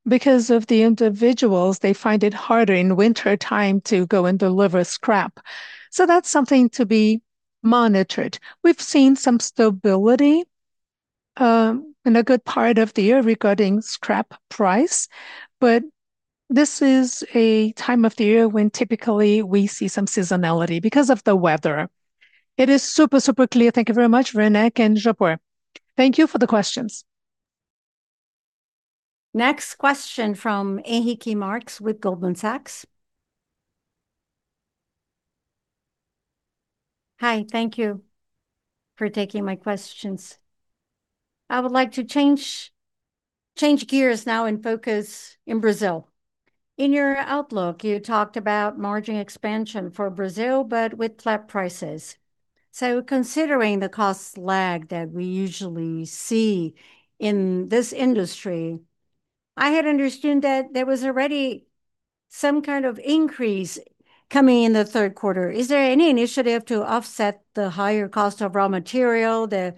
because of the individuals, they find it harder in wintertime to go and deliver scrap. That's something to be monitored. We've seen some stability in a good part of the year regarding scrap price, but this is a time of the year when typically we see some seasonality because of the weather. It is super clear. Thank you very much, Werneck and Japur. Thank you for the questions. Next question from Heiki Marks with Goldman Sachs. Hi. Thank you for taking my questions. I would like to change gears now and focus in Brazil. In your outlook, you talked about margin expansion for Brazil, but with flat prices. Considering the cost lag that we usually see in this industry, I had understood that there was already some kind of increase coming in the third quarter. Is there any initiative to offset the higher cost of raw material that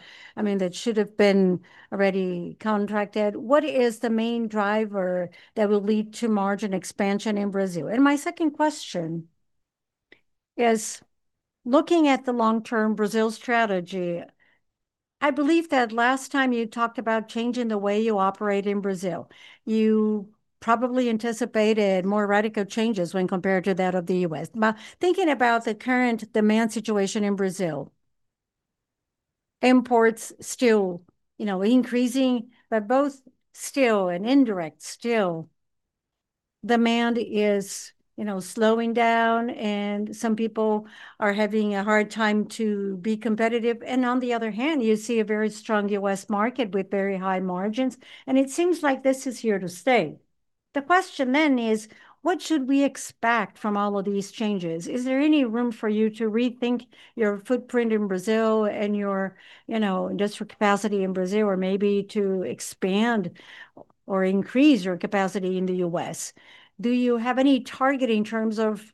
should have been already contracted? What is the main driver that will lead to margin expansion in Brazil? My second question is looking at the long-term Brazil strategy, I believe that last time you talked about changing the way you operate in Brazil. You probably anticipated more radical changes when compared to that of the U.S. Thinking about the current demand situation in Brazil, imports still increasing, but both still an indirect still. Demand is slowing down and some people are having a hard time to be competitive. On the other hand, you see a very strong U.S. market with very high margins, and it seems like this is here to stay. The question then is, what should we expect from all of these changes? Is there any room for you to rethink your footprint in Brazil and your industrial capacity in Brazil, or maybe to expand or increase your capacity in the U.S.? Do you have any target in terms of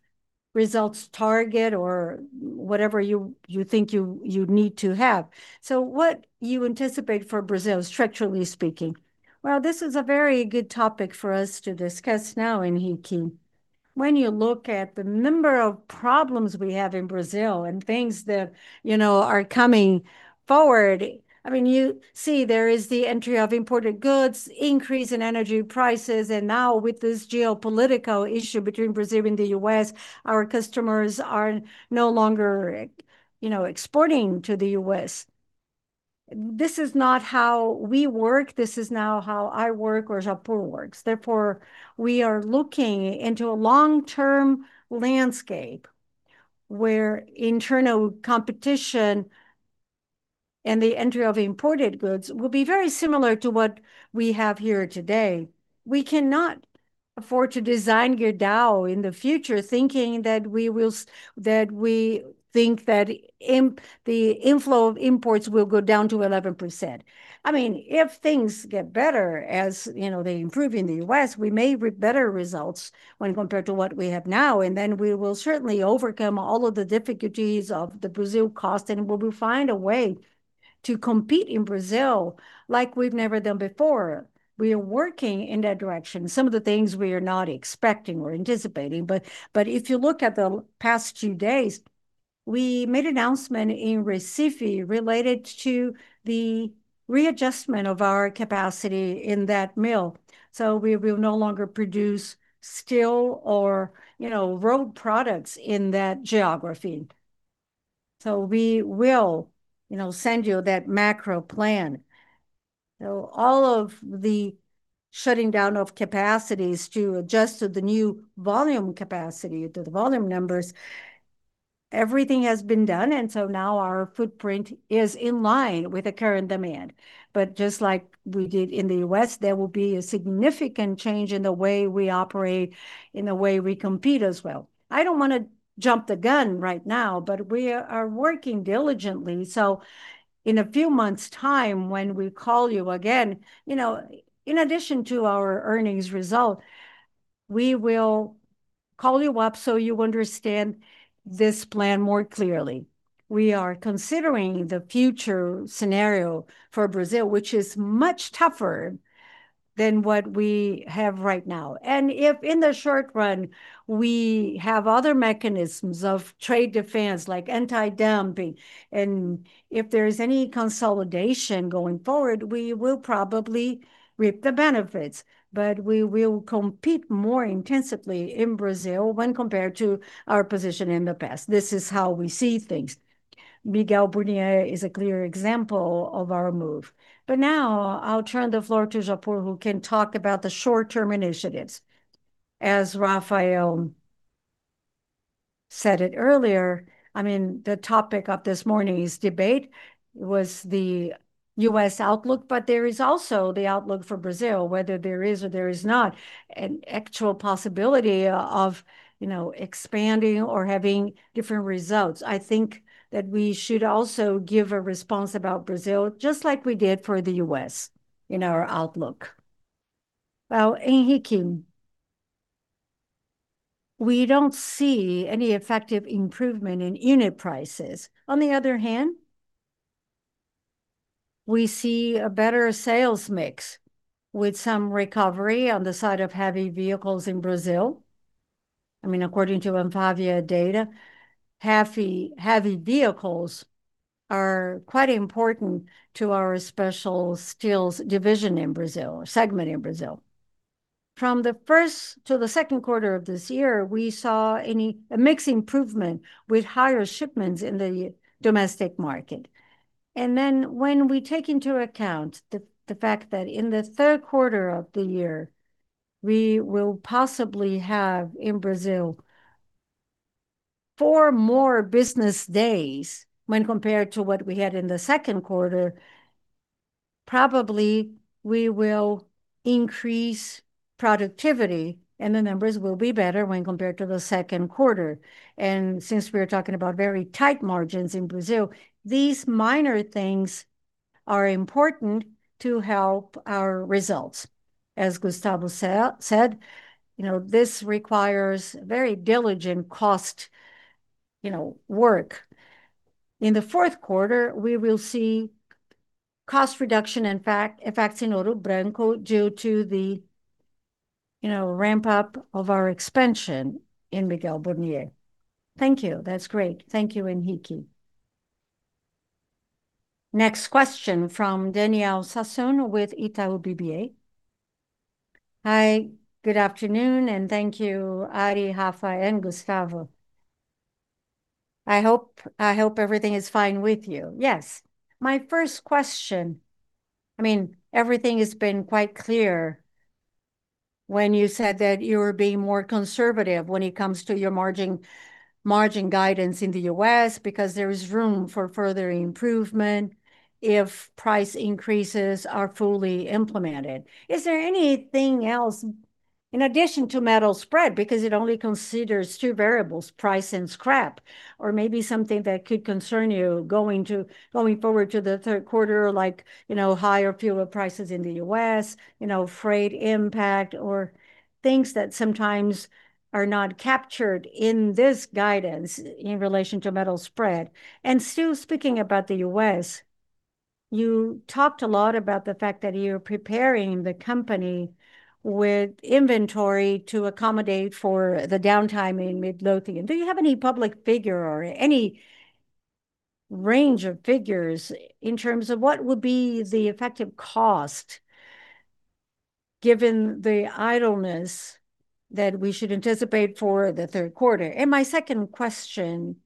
results target or whatever you think you need to have? What you anticipate for Brazil, structurally speaking? Well, this is a very good topic for us to discuss now, Heiki. When you look at the number of problems we have in Brazil and things that are coming forward, you see there is the entry of imported goods, increase in energy prices, and now with this geopolitical issue between Brazil and the U.S., our customers are no longer exporting to the U.S. This is not how we work. This is now how I work or Japur works. Therefore, we are looking into a long-term landscape where internal competition and the entry of imported goods will be very similar to what we have here today. We cannot design Gerdau in the future, thinking that the inflow of imports will go down to 11%. If things get better, as they improve in the U.S., we may reap better results when compared to what we have now, and then we will certainly overcome all of the difficulties of the Brazil cost, and we will find a way to compete in Brazil like we've never done before. We are working in that direction. Some of the things we are not expecting or anticipating, but if you look at the past few days, we made an announcement in Recife related to the readjustment of our capacity in that mill. We will no longer produce steel or rolled products in that geography. We will send you that macro plan. All of the shutting down of capacities to adjust to the new volume capacity, to the volume numbers, everything has been done, and now our footprint is in line with the current demand. But just like we did in the U.S., there will be a significant change in the way we operate, in the way we compete as well. I don't want to jump the gun right now, but we are working diligently, so in a few months' time, when we call you again, in addition to our earnings result, we will call you up so you understand this plan more clearly. We are considering the future scenario for Brazil, which is much tougher than what we have right now. If in the short run, we have other mechanisms of trade defense, like anti-dumping, and if there is any consolidation going forward, we will probably reap the benefits. But we will compete more intensively in Brazil when compared to our position in the past. This is how we see things. Miguel Burnier is a clear example of our move. But now I'll turn the floor to Japur, who can talk about the short-term initiatives. As Rafael said it earlier, the topic of this morning's debate was the U.S. outlook, but there is also the outlook for Brazil, whether there is or there is not an actual possibility of expanding or having different results. I think that we should also give a response about Brazil, just like we did for the U.S. in our outlook. Well, Heiki, we don't see any effective improvement in unit prices. On the other hand, we see a better sales mix with some recovery on the side of heavy vehicles in Brazil. According to Anfavea data, heavy vehicles are quite important to our special steels division in Brazil, segment in Brazil. From the first to the second quarter of this year, we saw a mix improvement with higher shipments in the domestic market. And then when we take into account the fact that in the third quarter of the year, we will possibly have in Brazil four more business days when compared to what we had in the second quarter, probably we will increase productivity, and the numbers will be better when compared to the second quarter. And since we're talking about very tight margins in Brazil, these minor things are important to help our results. As Gustavo said, this requires very diligent cost work. In the fourth quarter, we will see cost reduction effects in Ouro Branco due to the ramp-up of our expansion in Miguel Burnier. Thank you. That's great. Thank you, Heiki. Next question from Daniel Sasson with Itaú BBA. Hi, good afternoon, and thank you, Mariana, Rafael, and Gustavo. I hope everything is fine with you. Yes. My first question, everything has been quite clear when you said that you were being more conservative when it comes to your margin guidance in the U.S. because there is room for further improvement if price increases are fully implemented. Is there anything else in addition to metal spread, because it only considers two variables, price and scrap, or maybe something that could concern you going forward to the third quarter, like higher fuel prices in the U.S., freight impact, or things that sometimes are not captured in this guidance in relation to metal spread? Still speaking about the U.S., you talked a lot about the fact that you're preparing the company with inventory to accommodate for the downtime in Midlothian. Do you have any public figure or any range of figures in terms of what would be the effective cost given the idleness that we should anticipate for the third quarter? My second question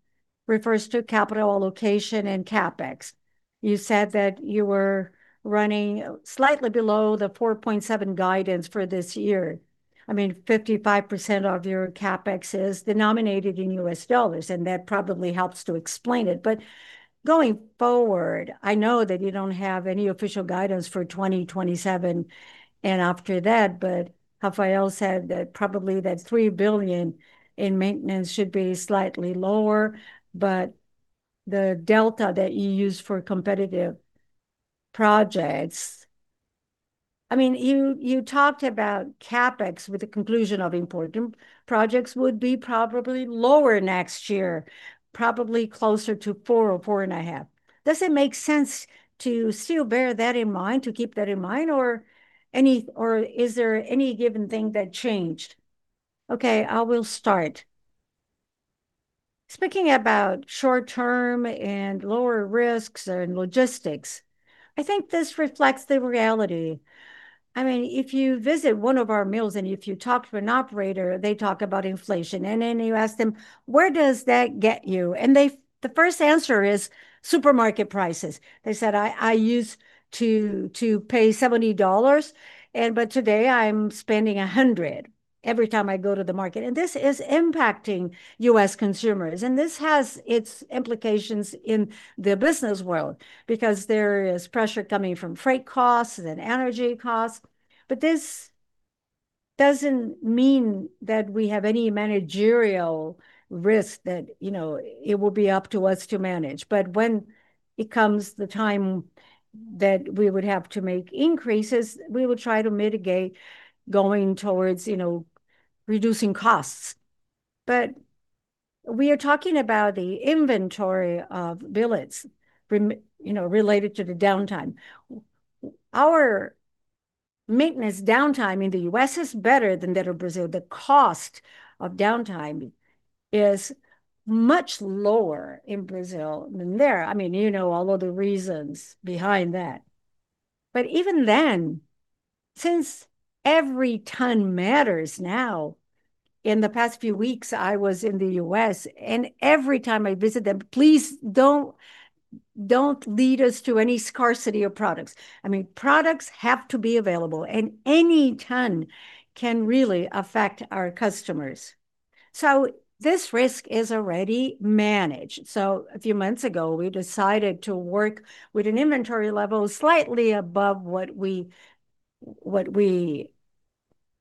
refers to capital allocation and CapEx. You said that you were running slightly below the 4.7 billion guidance for this year. 55% of your CapEx is denominated in US dollars, that probably helps to explain it. Going forward, I know that you don't have any official guidance for 2027 and after that, Rafael said that probably that 3 billion in maintenance should be slightly lower. The delta that you use for competitive projects, you talked about CapEx with the conclusion of important projects would be probably lower next year, probably closer to 4 billion or 4.5 billion. Does it make sense to still bear that in mind, to keep that in mind, or is there any given thing that changed? Okay, I will start. Speaking about short-term and lower risks and logistics, I think this reflects the reality. If you visit one of our mills, if you talk to an operator, they talk about inflation, then you ask them, "Where does that get you?" The first answer is supermarket prices. They said, "I used to pay $70, today I'm spending $100 every time I go to the market." This is impacting U.S. consumers, this has its implications in the business world because there is pressure coming from freight costs, then energy costs. This doesn't mean that we have any managerial risk that it will be up to us to manage. When it comes the time that we would have to make increases, we will try to mitigate going towards reducing costs. We are talking about the inventory of billets related to the downtime. Our maintenance downtime in the U.S. is better than that of Brazil. The cost of downtime is much lower in Brazil than there. You know all of the reasons behind that. Even then, since every ton matters now, in the past few weeks, I was in the U.S., and every time I visit them, "Please don't lead us to any scarcity of products." Products have to be available, and any ton can really affect our customers. This risk is already managed. A few months ago, we decided to work with an inventory level slightly above what we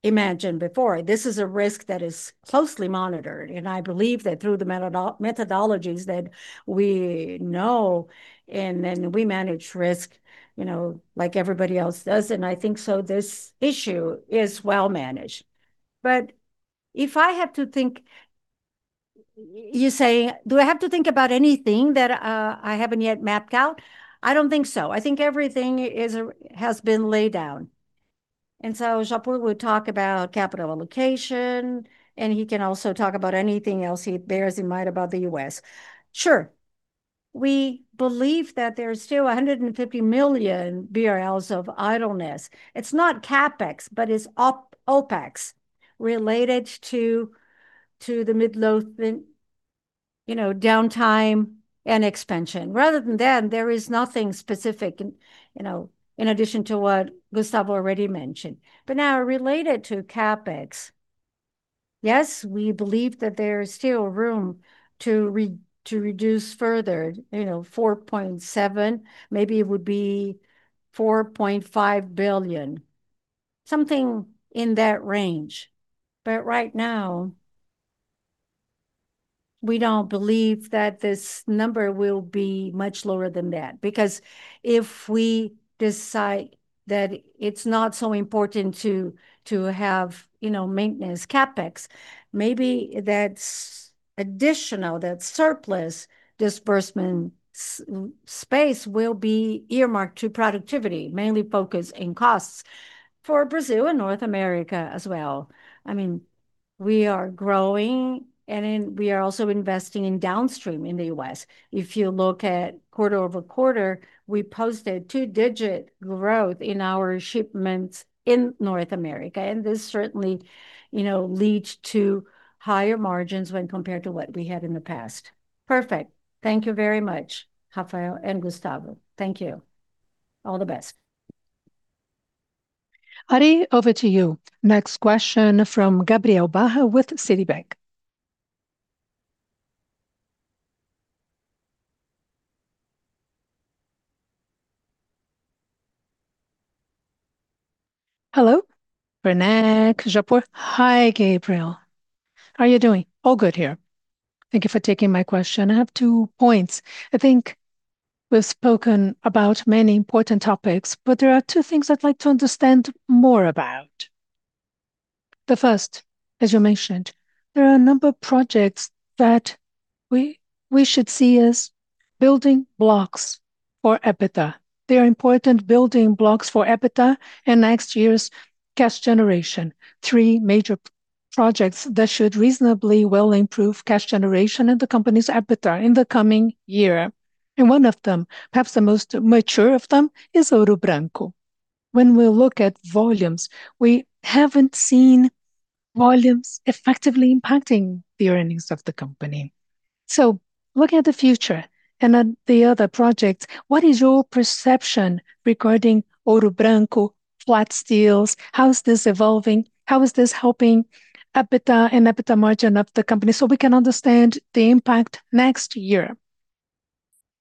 imagined before. This is a risk that is closely monitored, and I believe that through the methodologies that we know and then we manage risk, like everybody else does. I think so this issue is well managed. If I have to think, you say, do I have to think about anything that I haven't yet mapped out? I don't think so. I think everything has been laid down. Japur will talk about capital allocation, and he can also talk about anything else he bears in mind about the U.S. Sure. We believe that there is still 150 million BRL of idleness. It's not CapEx, but it's OpEx related to the Midlothian downtime and expansion. Rather than then, there is nothing specific in addition to what Gustavo already mentioned. Now related to CapEx, yes, we believe that there is still room to reduce further, 4.7 billion, maybe it would be 4.5 billion, something in that range. Right now, we don't believe that this number will be much lower than that because if we decide that it's not so important to have maintenance CapEx, maybe that's additional, that surplus disbursement space will be earmarked to productivity, mainly focused in costs for Brazil and North America as well. We are growing and then we are also investing in downstream in the U.S. If you look at quarter-over-quarter, we posted two-digit growth in our shipments in North America, and this certainly leads to higher margins when compared to what we had in the past. Perfect. Thank you very much, Rafael and Gustavo. Thank you. All the best. Mariana, over to you. Next question from Gabriel Barra with Citibank. Hello, Werneck, Japur. Hi, Gabriel. How are you doing? All good here. Thank you for taking my question. I have two points. I think we've spoken about many important topics, but there are two things I'd like to understand more about. The first, as you mentioned, there are a number of projects that we should see as building blocks for EBITDA. They are important building blocks for EBITDA and next year's cash generation. Three major projects that should reasonably well improve cash generation and the company's EBITDA in the coming year. One of them, perhaps the most mature of them, is Ouro Branco. When we look at volumes, we haven't seen volumes effectively impacting the earnings of the company. Looking at the future and at the other projects, what is your perception regarding Ouro Branco flat steels? How is this evolving? How is this helping EBITDA and EBITDA margin of the company so we can understand the impact next year?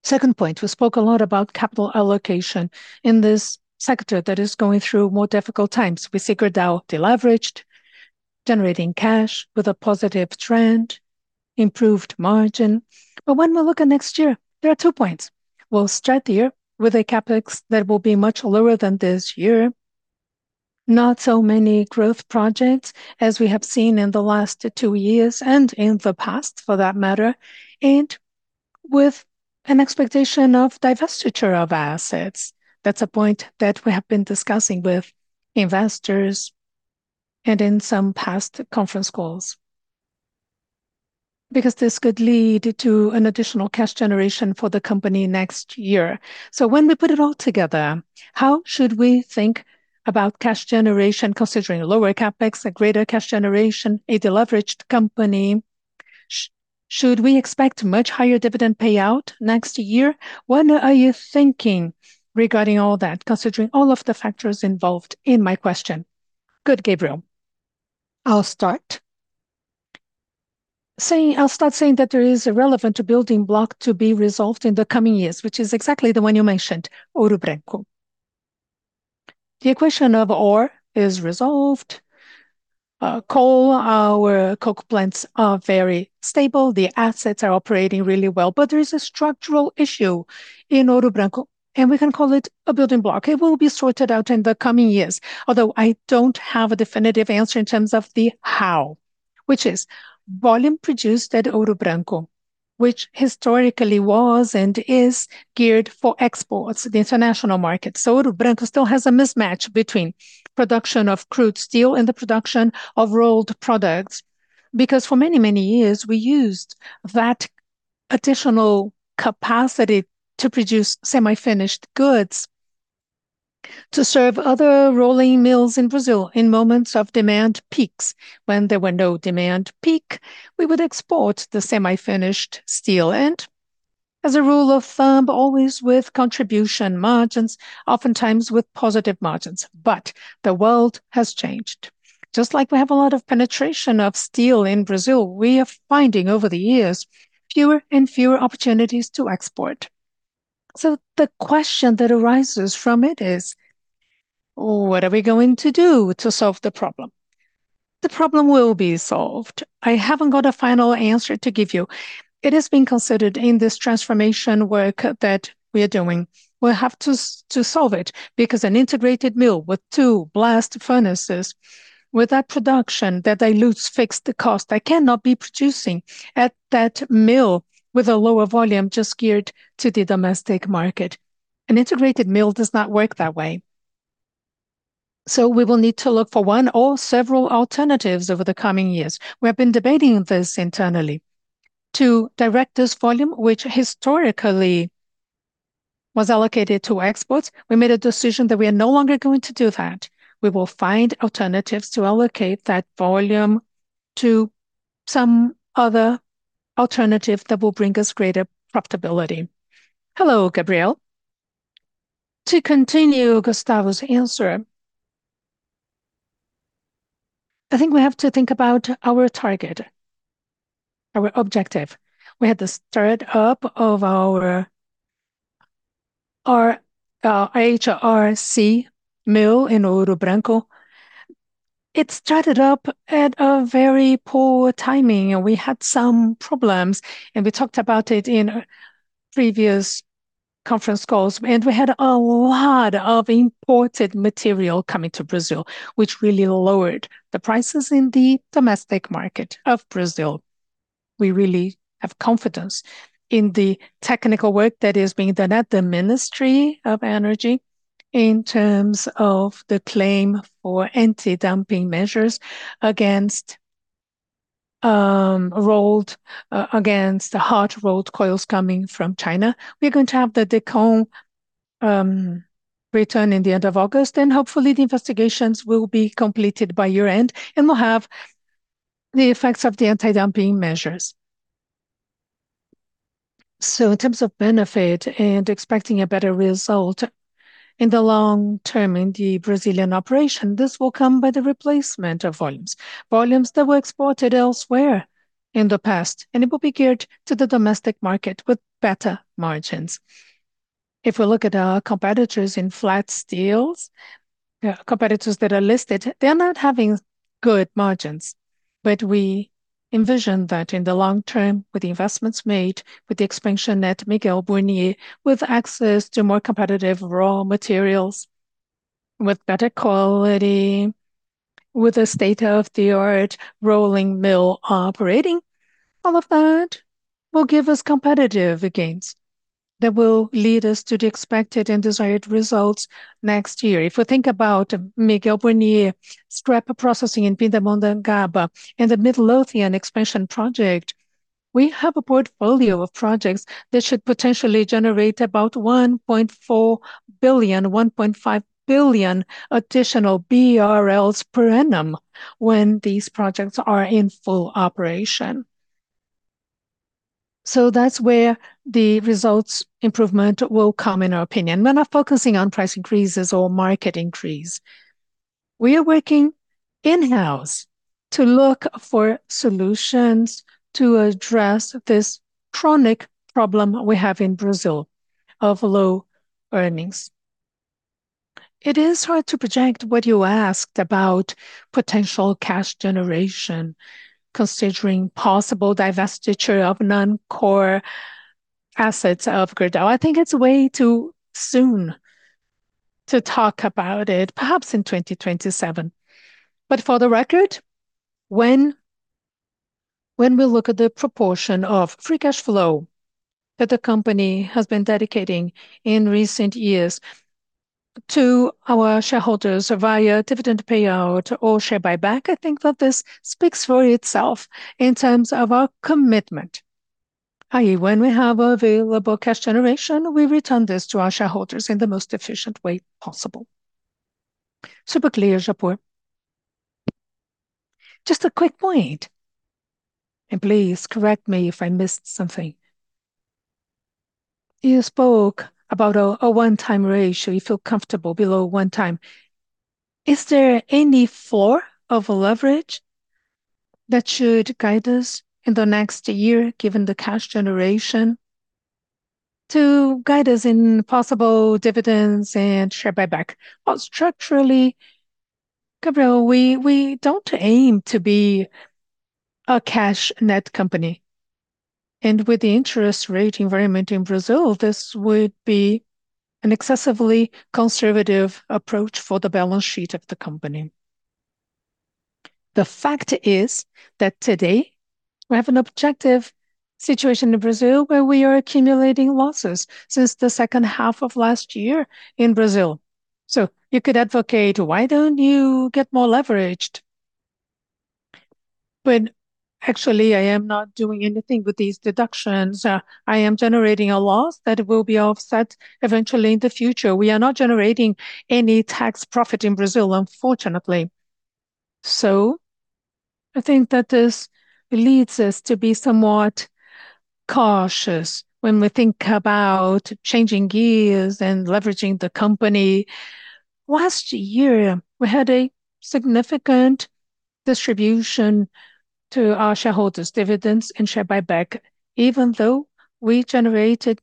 Second point, we spoke a lot about capital allocation in this sector that is going through more difficult times. We see Gerdau deleveraged, generating cash with a positive trend, improved margin. When we look at next year, there are two points. We'll start the year with a CapEx that will be much lower than this year. Not so many growth projects as we have seen in the last two years, and in the past for that matter, and with an expectation of divestiture of assets. This could lead to an additional cash generation for the company next year. When we put it all together, how should we think about cash generation considering lower CapEx, a greater cash generation, a deleveraged company? Should we expect much higher dividend payout next year? What are you thinking regarding all that, considering all of the factors involved in my question? Good, Gabriel. I'll start saying that there is a relevant building block to be resolved in the coming years, which is exactly the one you mentioned, Ouro Branco. The equation of ore is resolved. Coal, our coke plants are very stable. The assets are operating really well. There is a structural issue in Ouro Branco, and we can call it a building block. It will be sorted out in the coming years, although I don't have a definitive answer in terms of the how. Which is volume produced at Ouro Branco, which historically was and is geared for exports to the international market. Ouro Branco still has a mismatch between production of crude steel and the production of rolled products because for many, many years, we used that additional capacity to produce semi-finished goods to serve other rolling mills in Brazil in moments of demand peaks. When there were no demand peak, we would export the semi-finished steel and as a rule of thumb, always with contribution margins, oftentimes with positive margins. The world has changed. Just like we have a lot of penetration of steel in Brazil, we are finding over the years fewer and fewer opportunities to export. The question that arises from it is, what are we going to do to solve the problem? The problem will be solved. I haven't got a final answer to give you. It is being considered in this transformation work that we are doing. We'll have to solve it because an integrated mill with two blast furnaces, with that production, that dilutes fixed cost. I cannot be producing at that mill with a lower volume just geared to the domestic market. An integrated mill does not work that way. We will need to look for one or several alternatives over the coming years. We have been debating this internally to direct this volume, which historically was allocated to exports. We made a decision that we are no longer going to do that. We will find alternatives to allocate that volume to some other alternative that will bring us greater profitability. Hello, Gabriel. To continue Gustavo's answer, I think we have to think about our target, our objective. We had the start up of our HRC mill in Ouro Branco. It started up at a very poor timing. We had some problems, and we talked about it in previous conference calls. We had a lot of imported material coming to Brazil, which really lowered the prices in the domestic market of Brazil. We really have confidence in the technical work that is being done at the Ministry of Energy in terms of the claim for anti-dumping measures against hot-rolled coils coming from China. We're going to have the DECOM return in the end of August, and hopefully the investigations will be completed by year-end, and we'll have the effects of the anti-dumping measures. In terms of benefit and expecting a better result in the long term in the Brazilian operation, this will come by the replacement of volumes. Volumes that were exported elsewhere in the past. It will be geared to the domestic market with better margins. If we look at our competitors in flat steels, competitors that are listed, they're not having good margins. We envision that in the long term, with the investments made, with the expansion at Miguel Burnier, with access to more competitive raw materials, with better quality, with a state-of-the-art rolling mill operating, all of that will give us competitive gains that will lead us to the expected and desired results next year. If we think about Miguel Burnier scrap processing in Pindamonhangaba, and the Midlothian expansion project, we have a portfolio of projects that should potentially generate about 1.4 billion, 1.5 billion BRL additional per annum when these projects are in full operation. That's where the results improvement will come, in our opinion. We're not focusing on price increases or market increase. We are working in-house to look for solutions to address this chronic problem we have in Brazil of low earnings. It is hard to project what you asked about potential cash generation considering possible divestiture of non-core assets of Gerdau. I think it's way too soon to talk about it. Perhaps in 2027. For the record, when we look at the proportion of free cash flow that the company has been dedicating in recent years to our shareholders via dividend payout or share buyback, this speaks for itself in terms of our commitment, i.e., when we have available cash generation, we return this to our shareholders in the most efficient way possible. Super clear, Japur. Just a quick point, please correct me if I missed something. You spoke about a one-time ratio, you feel comfortable below one time. Is there any form of leverage that should guide us in the next year, given the cash generation to guide us in possible dividends and share buyback? Structurally, Gabriel, we don't aim to be a cash net company, and with the interest rate environment in Brazil, this would be an excessively conservative approach for the balance sheet of the company. The fact is that today we have an objective situation in Brazil where we are accumulating losses since the second half of last year in Brazil. You could advocate, why don't you get more leveraged? When actually I am not doing anything with these deductions. I am generating a loss that will be offset eventually in the future. We are not generating any tax profit in Brazil, unfortunately. This leads us to be somewhat cautious when we think about changing gears and leveraging the company. Last year, we had a significant distribution to our shareholders, dividends, and share buyback, even though we generated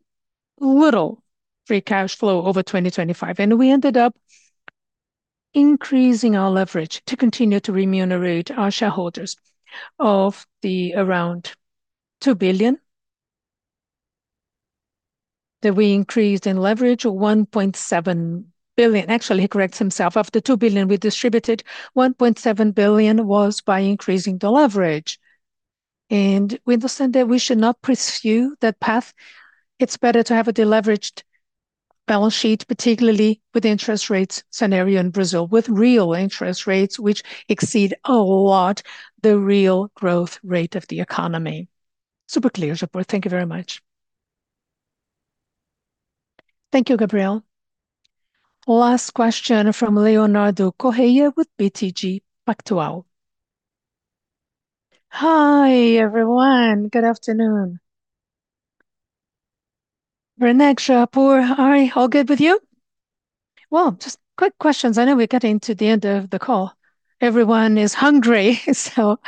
little free cash flow over 2025, and we ended up increasing our leverage to continue to remunerate our shareholders of the around 2 billion that we increased in leverage, 1.7 billion. Actually, he corrects himself. Of the 2 billion we distributed, 1.7 billion was by increasing the leverage, and we understand that we should not pursue that path. It's better to have a deleveraged balance sheet, particularly with interest rates scenario in Brazil, with real interest rates, which exceed a lot the real growth rate of the economy. Super clear, Japur. Thank you very much. Thank you, Gabriel. Last question from Leonardo Correa with BTG Pactual. Hi, everyone. Good afternoon. Werneck, Japur, Mari, all good with you? Just quick questions. I know we're getting to the end of the call. Everyone is hungry so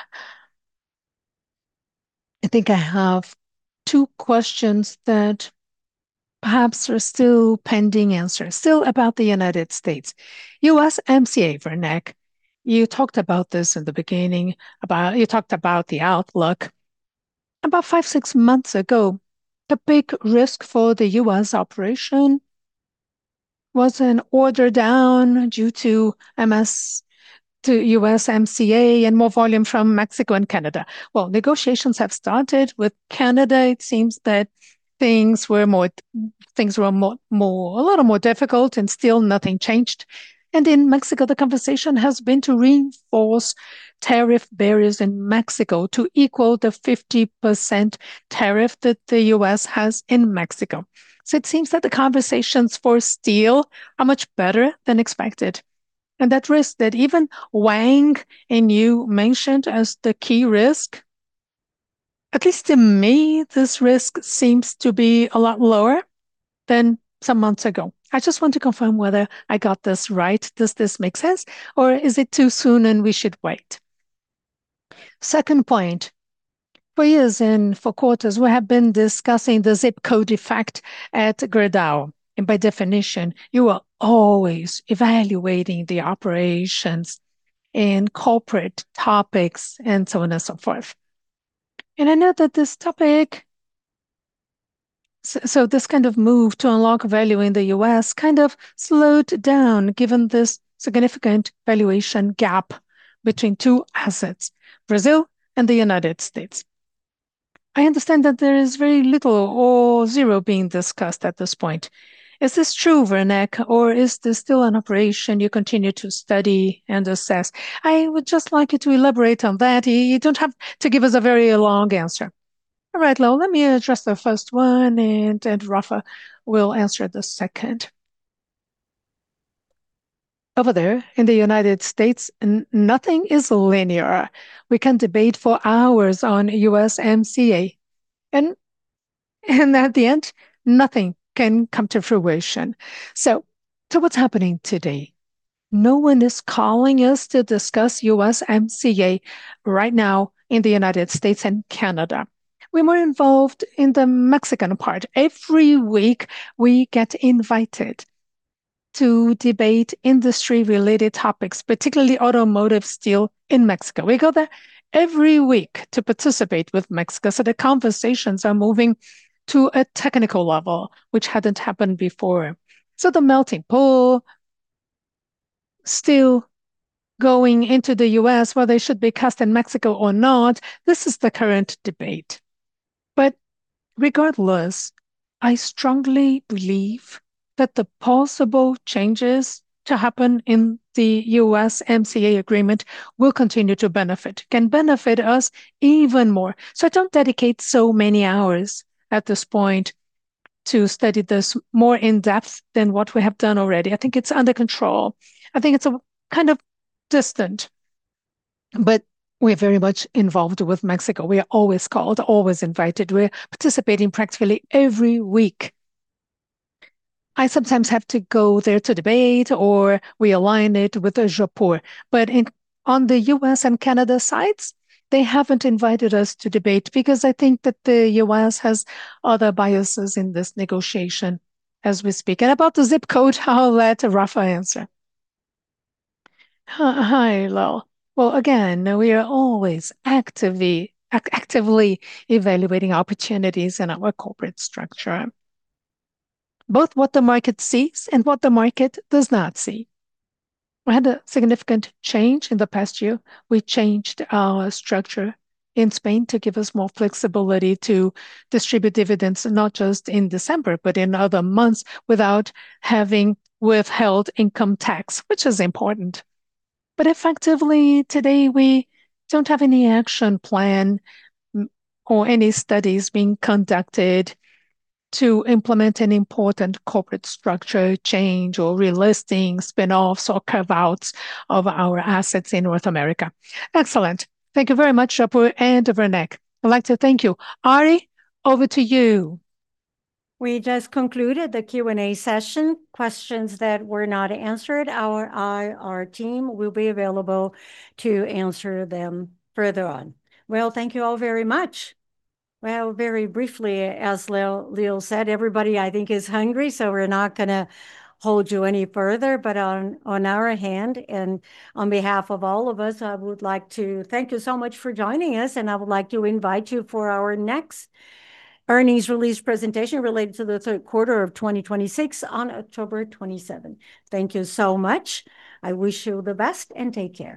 I have two questions that perhaps are still pending answers. Still about the United States. USMCA, Werneck. You talked about this in the beginning. You talked about the outlook. About five, six months ago, the big risk for the U.S. operation was an order down due to USMCA and more volume from Mexico and Canada. Negotiations have started with Canada. It seems that things were a lot more difficult and still nothing changed. In Mexico, the conversation has been to reinforce tariff barriers in Mexico to equal the 50% tariff that the U.S. has in Mexico. It seems that the conversations for steel are much better than expected, and that risk that even Wang and you mentioned as the key risk, at least to me, this risk seems to be a lot lower than some months ago. I just want to confirm whether I got this right. Does this make sense, or is it too soon and we should wait? Second point. For years and for quarters, we have been discussing the zip code effect at Gerdau, and by definition, you are always evaluating the operations in corporate topics and so on and so forth. I know that this topic, this kind of move to unlock value in the U.S. kind of slowed down given this significant valuation gap between two assets, Brazil and the United States. I understand that there is very little or zero being discussed at this point. Is this true, Werneck, or is this still an operation you continue to study and assess? I would just like you to elaborate on that. You don't have to give us a very long answer. All right, Leonardo, let me address the first one, and Rafael will answer the second. Over there in the United States, nothing is linear. We can debate for hours on USMCA, and at the end nothing can come to fruition. What's happening today? No one is calling us to discuss USMCA right now in the United States and Canada. We're more involved in the Mexican part. Every week we get invited to debate industry-related topics, particularly automotive steel in Mexico. We go there every week to participate with Mexico, the conversations are moving to a technical level, which hadn't happened before. The melt and pour, steel going into the U.S., whether it should be cast in Mexico or not, this is the current debate. Regardless, I strongly believe that the possible changes to happen in the USMCA agreement will continue to benefit, can benefit us even more. I don't dedicate so many hours at this point to study this more in-depth than what we have done already. I think it's under control. I think it's kind of distant, but we're very much involved with Mexico. We are always called, always invited. We're participating practically every week. I sometimes have to go there to debate, or we align it with Japur. On the U.S. and Canada sides, they haven't invited us to debate because I think that the U.S. has other biases in this negotiation as we speak. About the zip code, I'll let Rafael answer. Hi, Leonardo. Again, we are always actively evaluating opportunities in our corporate structure, both what the market sees and what the market does not see. We had a significant change in the past year. We changed our structure in Spain to give us more flexibility to distribute dividends, not just in December, but in other months without having withheld income tax, which is important. Effectively today, we don't have any action plan or any studies being conducted to implement an important corporate structure change or relisting, spin-offs, or carve-outs of our assets in North America. Excellent. Thank you very much, Japur and Werneck. I'd like to thank you. Mariana, over to you. We just concluded the Q&A session. Questions that were not answered, our IR team will be available to answer them further on. Well, thank you all very much. Well, very briefly, as Leo said, everybody I think is hungry, so we're not going to hold you any further. On our hand and on behalf of all of us, I would like to thank you so much for joining us, and I would like to invite you for our next earnings release presentation related to the third quarter of 2026 on October 27th. Thank you so much. I wish you the best, and take care.